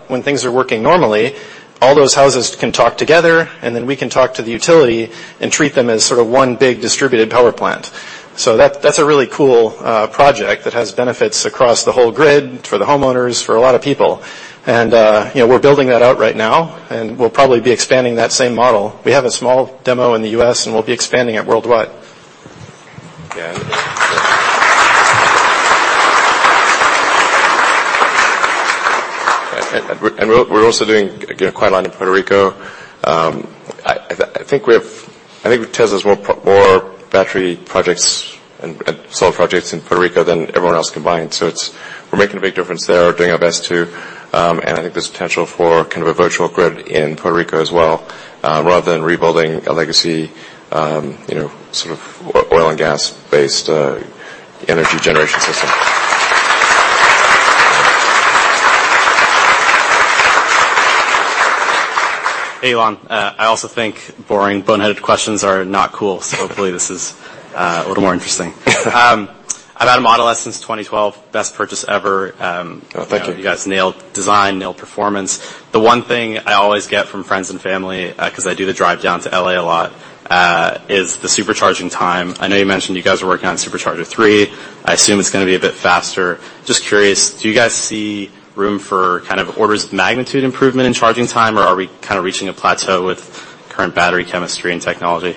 When things are working normally, all those houses can talk together, and then we can talk to the utility and treat them as sort of one big distributed power plant. That's a really cool project that has benefits across the whole grid, for the homeowners, for a lot of people. You know, we're building that out right now, and we'll probably be expanding that same model. We have a small demo in the U.S., and we'll be expanding it worldwide. We're also doing, again, quite a lot in Puerto Rico. I think Tesla has more battery projects and solar projects in Puerto Rico than everyone else combined. We're making a big difference there, doing our best to, and I think there's potential for kind of a virtual grid in Puerto Rico as well, rather than rebuilding a legacy, you know, sort of oil and gas-based, energy generation system. Hey, Elon. I also think boring, boneheaded questions are not cool, so hopefully this is a little more interesting. I've had a Model S since 2012. Best purchase ever. Oh, thank you. You guys nailed design, nailed performance. The one thing I always get from friends and family, 'cause I do the drive down to L.A. a lot, is the Supercharging time. I know you mentioned you guys are working on Supercharger V3. I assume it's gonna be a bit faster. Just curious, do you guys see room for kind of orders of magnitude improvement in charging time, or are we kinda reaching a plateau with current battery chemistry and technology?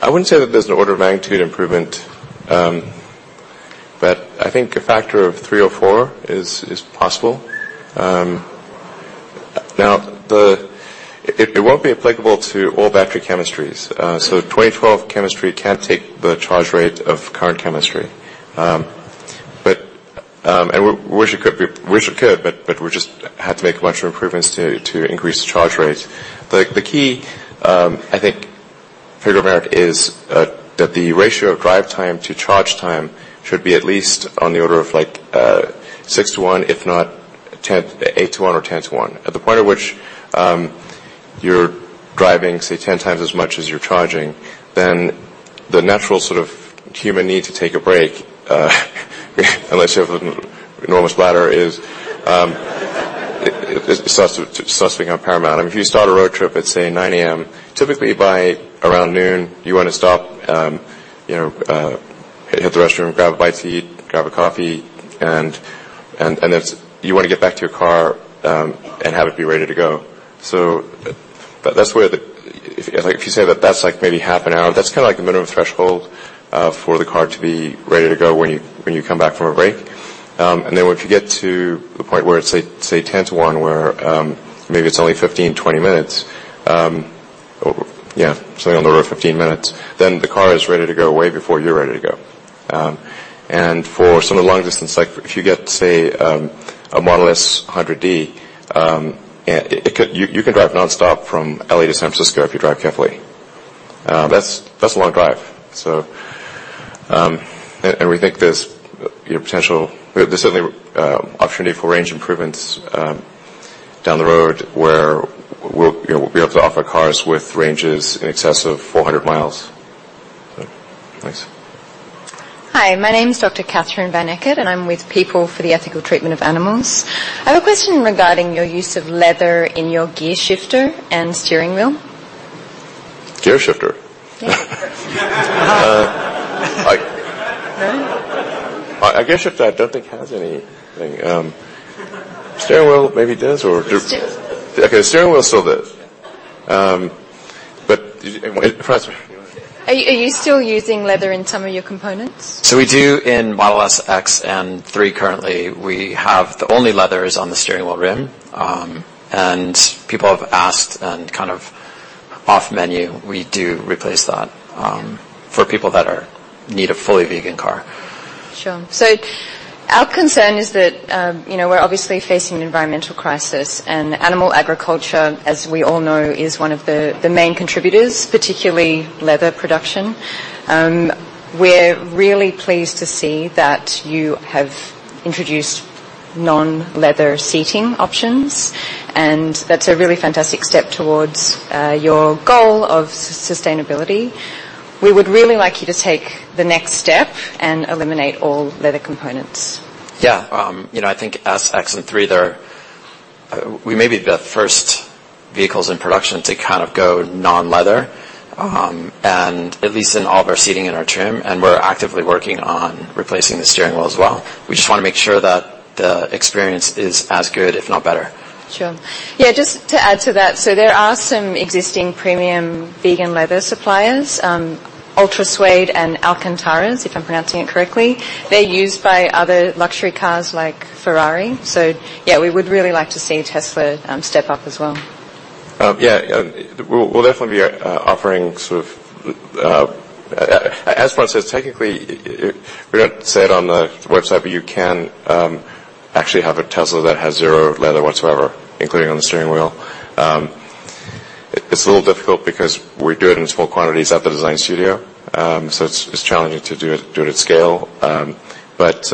I wouldn't say that there's an order of magnitude improvement, but I think a factor of three or four is possible. It won't be applicable to all battery chemistries. 2012 chemistry can't take the charge rate of current chemistry. Wish it could, but we're just have to make a bunch of improvements to increase the charge rate. The key, I think for your metric is that the ratio of drive time to charge time should be at least on the order of like 6-1, if not 10, 8-1 or 10-1. At the point at which you're driving, say, 10x as much as you're charging, then the natural sort of human need to take a break, unless you have an enormous bladder, starts becoming paramount. I mean, if you start a road trip at, say, 9:00 A.M., typically by around noon, you wanna stop, you know, hit the restroom, grab a bite to eat, grab a coffee, and you wanna get back to your car and have it be ready to go. That's where the if, like, if you say that that's like maybe half an hour, that's kinda like the minimum threshold for the car to be ready to go when you come back from a break. Then once you get to the point where it's, say, 10-1, where maybe it's only 15, 20 minutes, yeah, something on the order of 15 minutes, then the car is ready to go way before you're ready to go. For some of the long distance, like if you get, say, a Model S 100D, you can drive nonstop from L.A. to San Francisco if you drive carefully. That's a long drive. We think there's, you know, certainly opportunity for range improvements down the road where we'll, you know, be able to offer cars with ranges in excess of 400 miles. Thanks. Hi, my name's Dr. Katherine van Ekert, and I'm with People for the Ethical Treatment of Animals. I have a question regarding your use of leather in your gear shifter and steering wheel. Gear shifter? Yeah. Uh, I, Really? Our gear shifter I don't think has anything. Steering wheel maybe does. Steering wheel. Okay, steering wheel still does. Wait, Franz. Are you still using leather in some of your components? We do in Model S, X, and 3 currently. We have the only leather is on the steering wheel rim. And people have asked and kind of off menu, we do replace that for people that need a fully vegan car. Sure. Our concern is that, you know, we're obviously facing an environmental crisis, and animal agriculture, as we all know, is one of the main contributors, particularly leather production. We're really pleased to see that you have introduced non-leather seating options, and that's a really fantastic step towards your goal of sustainability. We would really like you to take the next step and eliminate all leather components. Yeah. You know, I think S, X, and 3, they're, we may be the first vehicles in production to kind of go non-leather, and at least in all of our seating and our trim, and we're actively working on replacing the steering wheel as well. We just wanna make sure that the experience is as good, if not better. Sure. Yeah, just to add to that, there are some existing premium vegan leather suppliers, Ultrasuede and Alcantara, if I'm pronouncing it correctly. They're used by other luxury cars like Ferrari. Yeah, we would really like to see Tesla step up as well. Yeah, we'll definitely be offering sort of, as Franz says, technically, we don't say it on the website, but you can actually have a Tesla that has zero leather whatsoever, including on the steering wheel. It's a little difficult because we do it in small quantities at the design studio, so it's challenging to do it at scale. But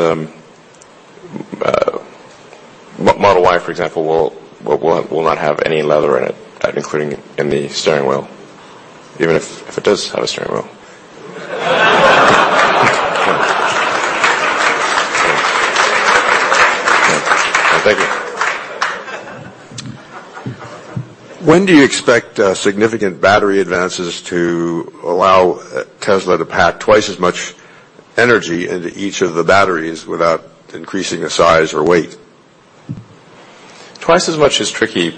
Model Y, for example, will not have any leather in it, including in the steering wheel, even if it does have a steering wheel. Thank you. When do you expect significant battery advances to allow Tesla to pack twice as much energy into each of the batteries without increasing the size or weight? Twice as much is tricky.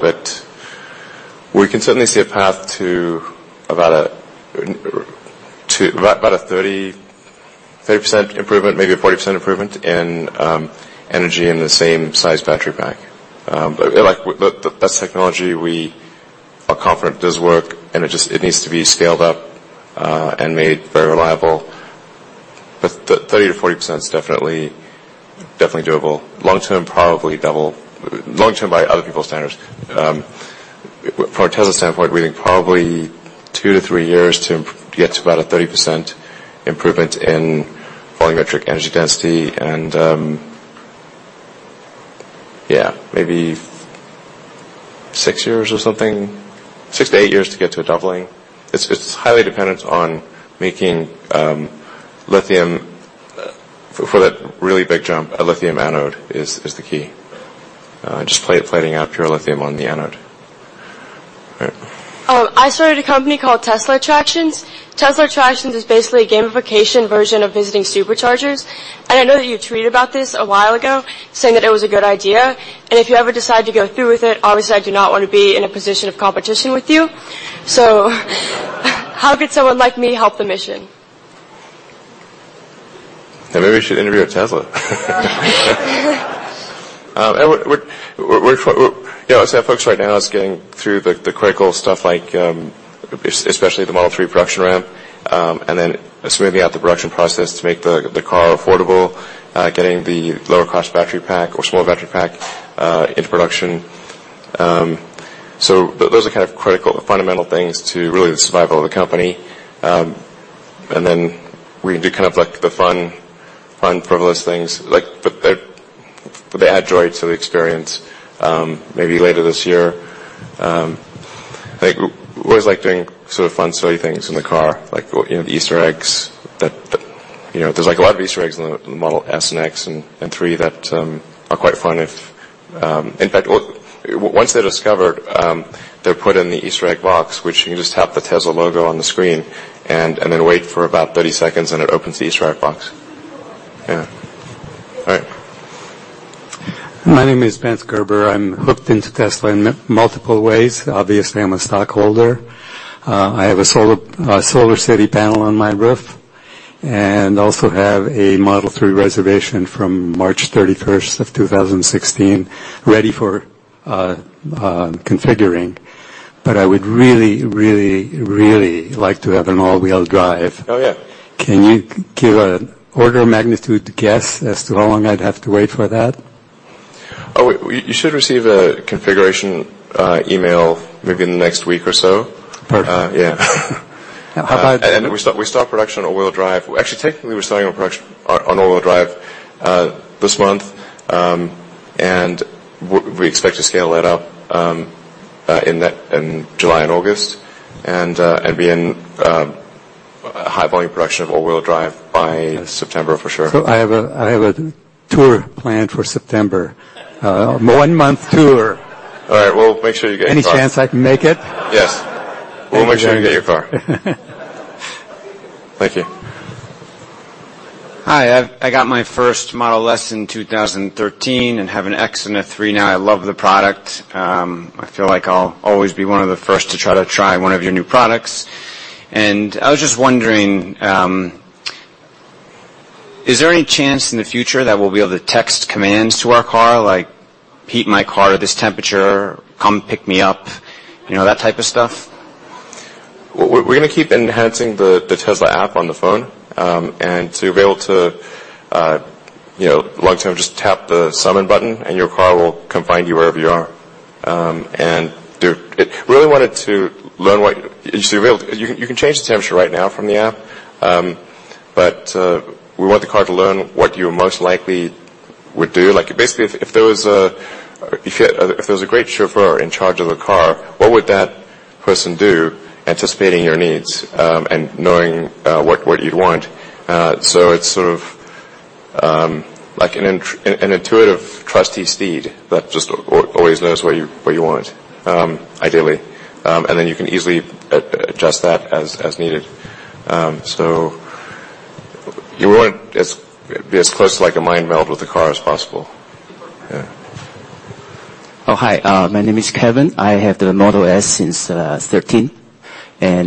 We can certainly see a path to about a 30% improvement, maybe a 40% improvement in energy in the same size battery pack. Like, the best technology we are confident does work, and it just, it needs to be scaled up and made very reliable. 30%-40% is definitely doable. Long-term, probably double. Long-term by other people's standards. From Tesla's standpoint, we think probably 2-3 years to get to about a 30% improvement in volumetric energy density and, yeah, maybe six years or something, 6-8 years to get to a doubling. It's highly dependent on making lithium for that really big jump, a lithium anode is the key. Just plating out pure lithium on the anode. All right. I started a company called Tesla Tractions. Tesla Tractions is basically a gamification version of visiting Superchargers. I know that you tweeted about this a while ago, saying that it was a good idea. If you ever decide to go through with it, obviously, I do not wanna be in a position of competition with you. How could someone like me help the mission? Maybe we should integrate Tesla. We're, you know, as I said, folks right now is getting through the critical stuff like especially the Model 3 production ramp, and then smoothing out the production process to make the car affordable, getting the lower cost battery pack or smaller battery pack into production. Those are kind of critical, fundamental things to really the survival of the company. We can do kind of like the fun frivolous things like put the Android to the experience maybe later this year. Like, we always like doing sort of fun silly things in the car, like, you know, the Easter eggs that, you know, there's like a lot of Easter eggs in the Model S and Model X and Model 3 that are quite fun. In fact, once they're discovered, they're put in the Easter egg box, which you can just tap the Tesla logo on the screen and then wait for about 30 seconds, and it opens the Easter egg box. Yeah. All right. My name is Ross Gerber. I'm hooked into Tesla in multiple ways. Obviously, I'm a stockholder. I have a solar SolarCity panel on my roof, and also have a Model 3 reservation from March 31st, 2016 ready for configuring. I would really, really, really like to have an all-wheel drive. Oh, yeah. Can you give an order of magnitude guess as to how long I'd have to wait for that? You should receive a configuration email maybe in the next week or so. Perfect. Yeah. How about. We start production on all-wheel drive. Actually, technically, we're starting our production on all-wheel drive this month. We expect to scale that up in that, in July and August and be in high volume production of all-wheel drive by September for sure. I have a tour planned for September. A one-month tour. All right, we'll make sure you get your car. Any chance I can make it? Yes. We'll make sure you get your car. Thank you. Hi. I got my first Model S in 2013 and have an X and a 3 now. I love the product. I feel like I'll always be one of the first to try one of your new products. I was just wondering, is there any chance in the future that we'll be able to text commands to our car, like, "Heat my car to this temperature," "Come pick me up," you know, that type of stuff? We're gonna keep enhancing the Tesla app on the phone. To be able to, you know, long term just tap the Summon button and your car will come find you wherever you are. You can change the temperature right now from the app. We want the car to learn what you most likely would do. Like, basically if there was a great chauffeur in charge of the car, what would that person do anticipating your needs and knowing what you'd want? It's sort of like an intuitive trusty steed that just always knows what you want, ideally. You can easily adjust that as needed. you want it be as close to like a mind meld with the car as possible. Yeah. Oh, hi. My name is Kevin. I have the Model S since 2013.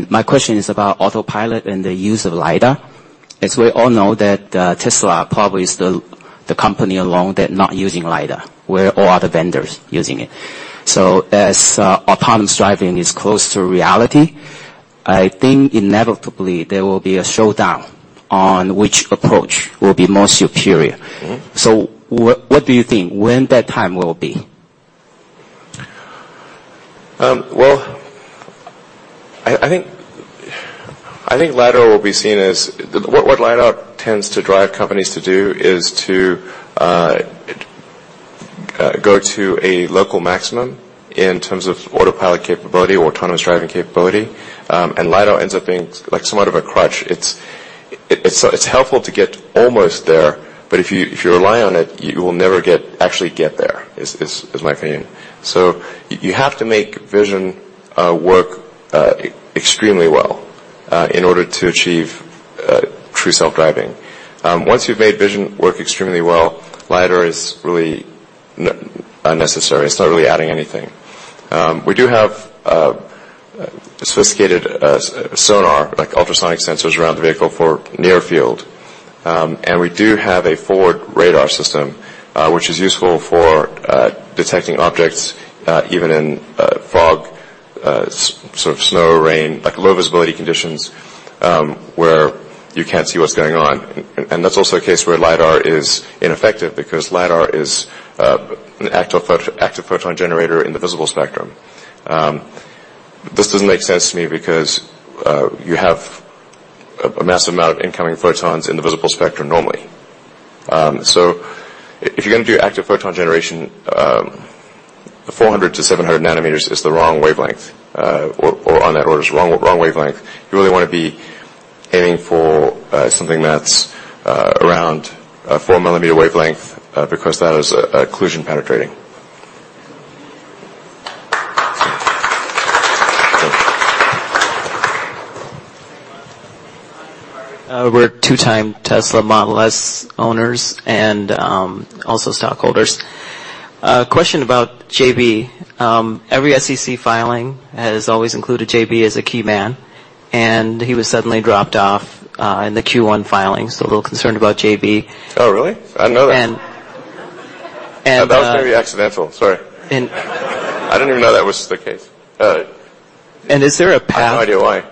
My question is about Autopilot and the use of lidar. As we all know that Tesla probably is the company alone that not using lidar, where all other vendors using it. As autonomous driving is close to reality, I think inevitably there will be a showdown on which approach will be more superior. What do you think when that time will be? I think lidar will be seen as what lidar tends to drive companies to do is to go to a local maximum in terms of Autopilot capability, autonomous driving capability. Lidar ends up being like somewhat of a crutch. It's helpful to get almost there, but if you rely on it, you will never actually get there, is my opinion. You have to make vision work extremely well in order to achieve true self-driving. Once you've made vision work extremely well, lidar is really unnecessary. It's not really adding anything. We do have sophisticated sonar, like ultrasonic sensors around the vehicle for near field. And we do have a forward radar system, which is useful for detecting objects, even in fog, sort of snow, rain, like low visibility conditions, where you can't see what's going on. And that's also a case where lidar is ineffective because lidar is an active photon generator in the visible spectrum. This doesn't make sense to me because you have a massive amount of incoming photons in the visible spectrum normally. So if you're gonna do active photon generation, 400-700 nanometers is the wrong wavelength, or on that order. It's wrong wavelength. You really wanna be aiming for something that's around 4 mm wavelength, because that is occlusion penetrating. We're two-time Tesla Model S owners and also stockholders. Question about JB. Every SEC filing has always included JB as a key man, and he was suddenly dropped off in the Q1 filings, so a little concerned about JB. Oh, really? I didn't know that. And- And, uh, That was maybe accidental. Sorry. And, I didn't even know that was the case. Is there a path? I have no idea why.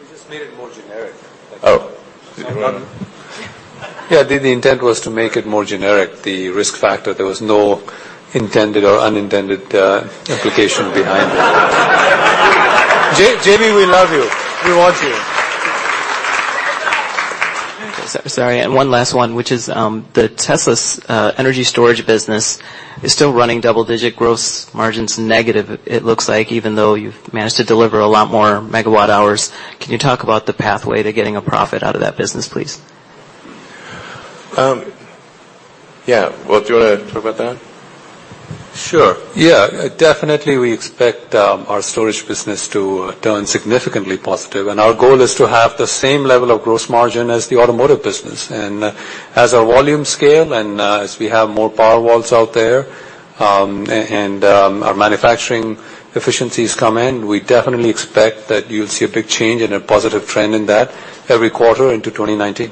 We just made it more generic. Oh. Yeah, the intent was to make it more generic, the risk factor. There was no intended or unintended implication behind it. JB, we love you. We want you. Sorry, one last one, which is, the Tesla's energy storage business is still running double-digit gross margins negative, it looks like, even though you've managed to deliver a lot more megawatt hours. Can you talk about the pathway to getting a profit out of that business, please? Yeah. Do you want to talk about that? Sure. Yeah, definitely we expect our storage business to turn significantly positive. Our goal is to have the same level of gross margin as the automotive business. As our volume scale and as we have more Powerwalls out there, and our manufacturing efficiencies come in, we definitely expect that you'll see a big change and a positive trend in that every quarter into 2019.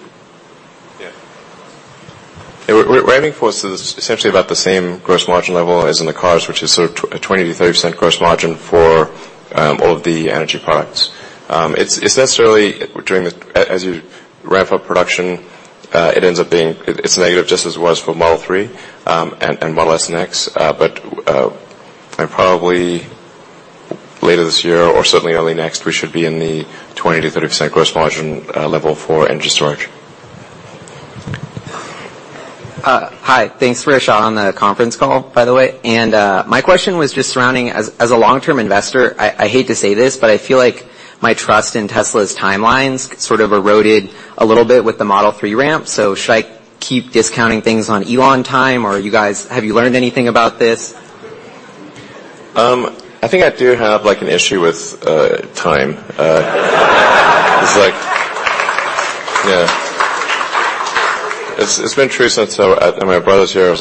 Yeah. We're aiming for essentially about the same gross margin level as in the cars, which is sort of a 20%-30% gross margin for all of the energy products. It's necessarily as you ramp up production, it ends up being negative just as it was for Model 3, and Model S and X. I probably later this year or certainly early next, we should be in the 20%-30% gross margin level for energy storage. Hi. Thanks for your shot on the conference call, by the way. My question was just surrounding as a long-term investor, I hate to say this, but I feel like my trust in Tesla's timelines sort of eroded a little bit with the Model 3 ramp. Should I keep discounting things on Elon time, or have you learned anything about this? I think I do have an issue with time. Yeah. It's been true since and my brother's here. I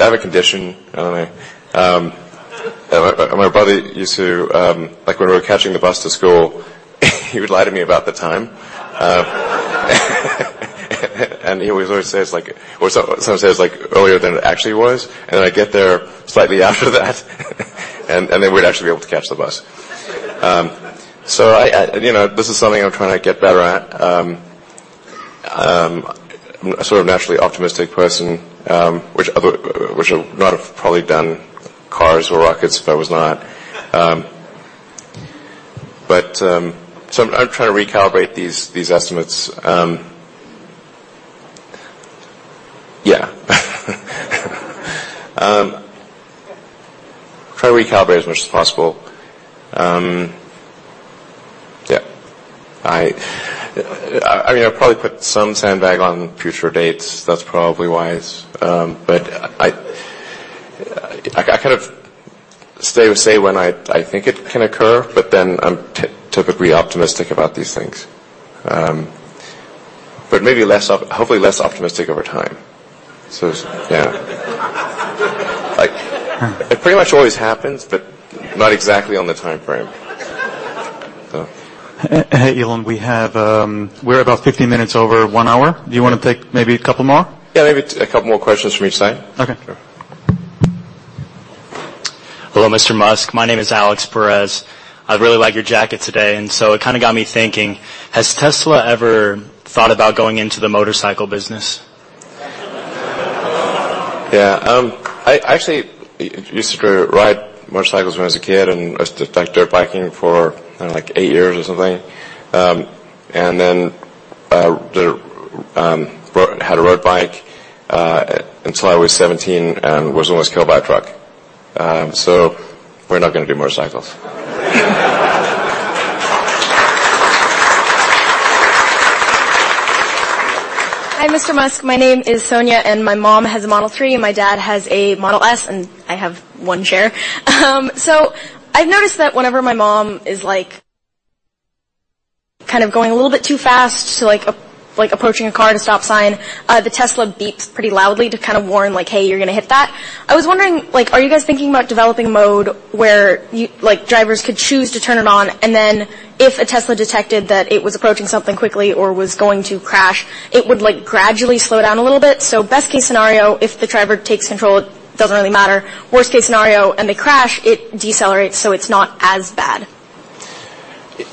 have a condition. My brother used to, when we were catching the bus to school, he would lie to me about the time. He would always say Or sometimes says, earlier than it actually was, and then I'd get there slightly after that and then we'd actually be able to catch the bus. I, you know, this is something I'm trying to get better at. I'm sort of naturally optimistic person, which I would not have probably done cars or rockets if I was not. I'm trying to recalibrate these estimates. Yeah. Try to recalibrate as much as possible. Yeah. I mean, I'll probably put some sandbag on future dates. That's probably wise. But I kind of stay with say when I think it can occur, but then I'm typically optimistic about these things. But maybe hopefully less optimistic over time. Yeah. Like, it pretty much always happens, but not exactly on the timeframe. Hey, Elon, we have, we're about 15 minutes over one hour. Do you wanna take maybe a couple more? Yeah, maybe a couple more questions from each side. Okay. Sure. Hello, Mr. Musk. My name is Alex Perez. I really like your jacket today, and so it kind of got me thinking. Has Tesla ever thought about going into the motorcycle business? Yeah. I actually used to ride motorcycles when I was a kid, and I was dirt, like, dirt biking for, I don't know, like eight years or something. I had a road bike until I was 17 and was almost killed by a truck. We're not gonna do motorcycles. Hi, Mr. Musk. My name is Sonia. My mom has a Model 3. My dad has a Model S. I have one chair. I've noticed that whenever my mom is kind of going a little bit too fast to approaching a car at a stop sign, the Tesla beeps pretty loudly to kind of warn, "Hey, you're gonna hit that." I was wondering, are you guys thinking about developing a mode where drivers could choose to turn it on? If a Tesla detected that it was approaching something quickly or was going to crash, it would gradually slow down a little bit. Best case scenario, if the driver takes control, it doesn't really matter. Worst case scenario, they crash, it decelerates, it's not as bad.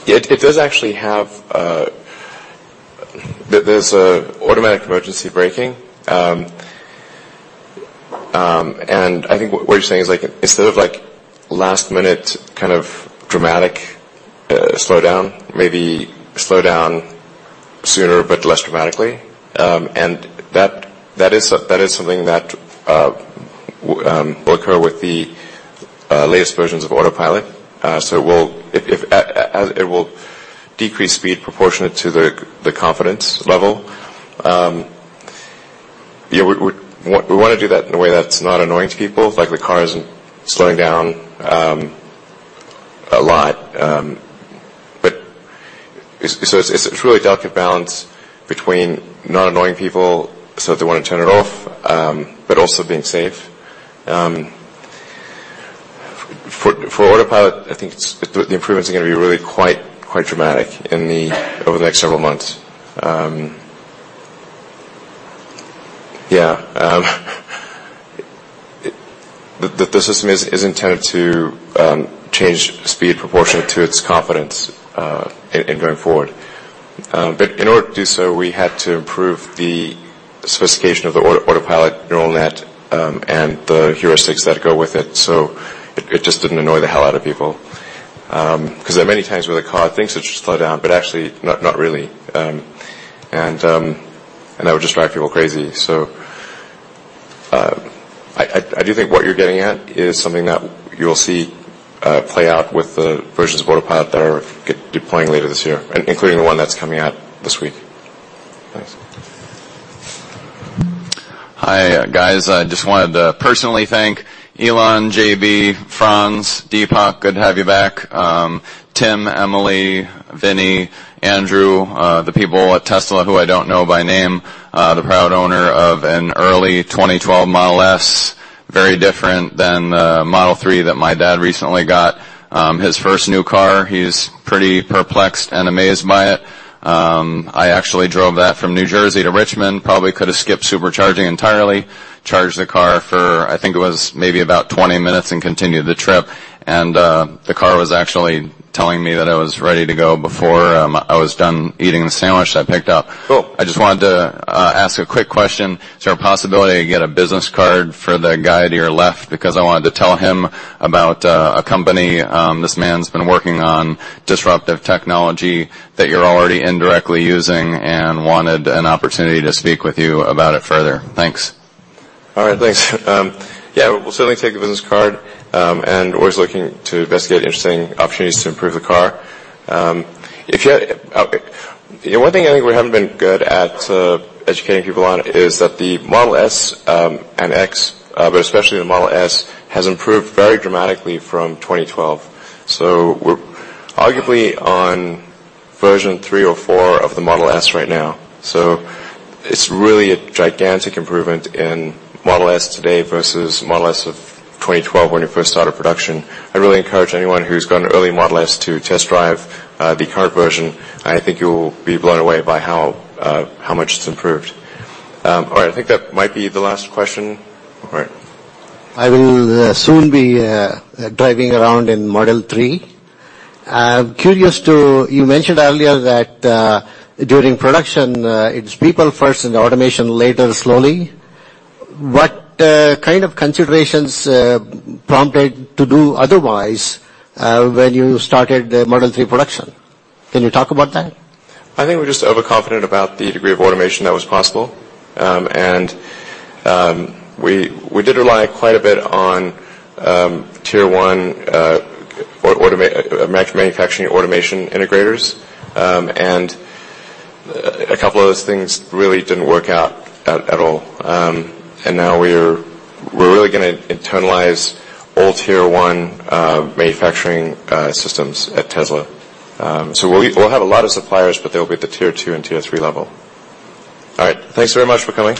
It does actually have, there's automatic emergency braking. I think what you're saying is, like, instead of, like, last minute kind of dramatic slowdown, maybe slowdown sooner but less dramatically. That is something that will occur with the latest versions of Autopilot. It will decrease speed proportionate to the confidence level. Yeah, we wanna do that in a way that's not annoying to people, like the car isn't slowing down a lot. It's really a delicate balance between not annoying people, so they wanna turn it off, but also being safe. For Autopilot, I think the improvements are gonna be really quite dramatic over the next several months. The system is intended to change speed proportionate to its confidence in going forward. In order to do so, we had to improve the sophistication of the Autopilot neural net and the heuristics that go with it, so it just didn't annoy the hell out of people. There are many times where the car thinks it should slow down, but actually not really. That would just drive people crazy. I do think what you're getting at is something that you'll see play out with the versions of Autopilot that are deploying later this year, including the one that's coming out this week. Thanks. Hi, guys. I just wanted to personally thank Elon, JB, Franz, Deepak, good to have you back, Tim, Emily, Vinnie, Andrew, the people at Tesla who I don't know by name. The proud owner of an early 2012 Model S. Very different than the Model 3 that my dad recently got. His first new car. He's pretty perplexed and amazed by it. I actually drove that from New Jersey to Richmond. Probably could have skipped Supercharging entirely. Charged the car for I think it was maybe about 20 minutes. Continued the trip. The car was actually telling me that I was ready to go before I was done eating the sandwich that I picked up. Cool. I just wanted to ask a quick question. Is there a possibility to get a business card for the guy to your left? Because I wanted to tell him about a company this man's been working on, disruptive technology that you're already indirectly using and wanted an opportunity to speak with you about it further. Thanks. All right, thanks. Yeah, we'll certainly take a business card, always looking to investigate interesting opportunities to improve the car. One thing I think we haven't been good at educating people on is that the Model S and X, but especially the Model S, has improved very dramatically from 2012. We're arguably on version three or four of the Model S right now. It's really a gigantic improvement in Model S today versus Model S of 2012 when we first started production. I really encourage anyone who's got an early Model S to test drive the current version, I think you'll be blown away by how much it's improved. All right. I think that might be the last question. All right. I will soon be driving around in Model 3. You mentioned earlier that, during production, it's people first and automation later, slowly. What kind of considerations prompted to do otherwise when you started the Model 3 production? Can you talk about that? I think we're just overconfident about the degree of automation that was possible. We did rely quite a bit on tier 1 manufacturing automation integrators. A couple of those things really didn't work out at all. Now we're really going to internalize all Tier one manufacturing systems at Tesla. We'll have a lot of suppliers, but they'll be at the tier two and tier three level. All right. Thanks very much for coming.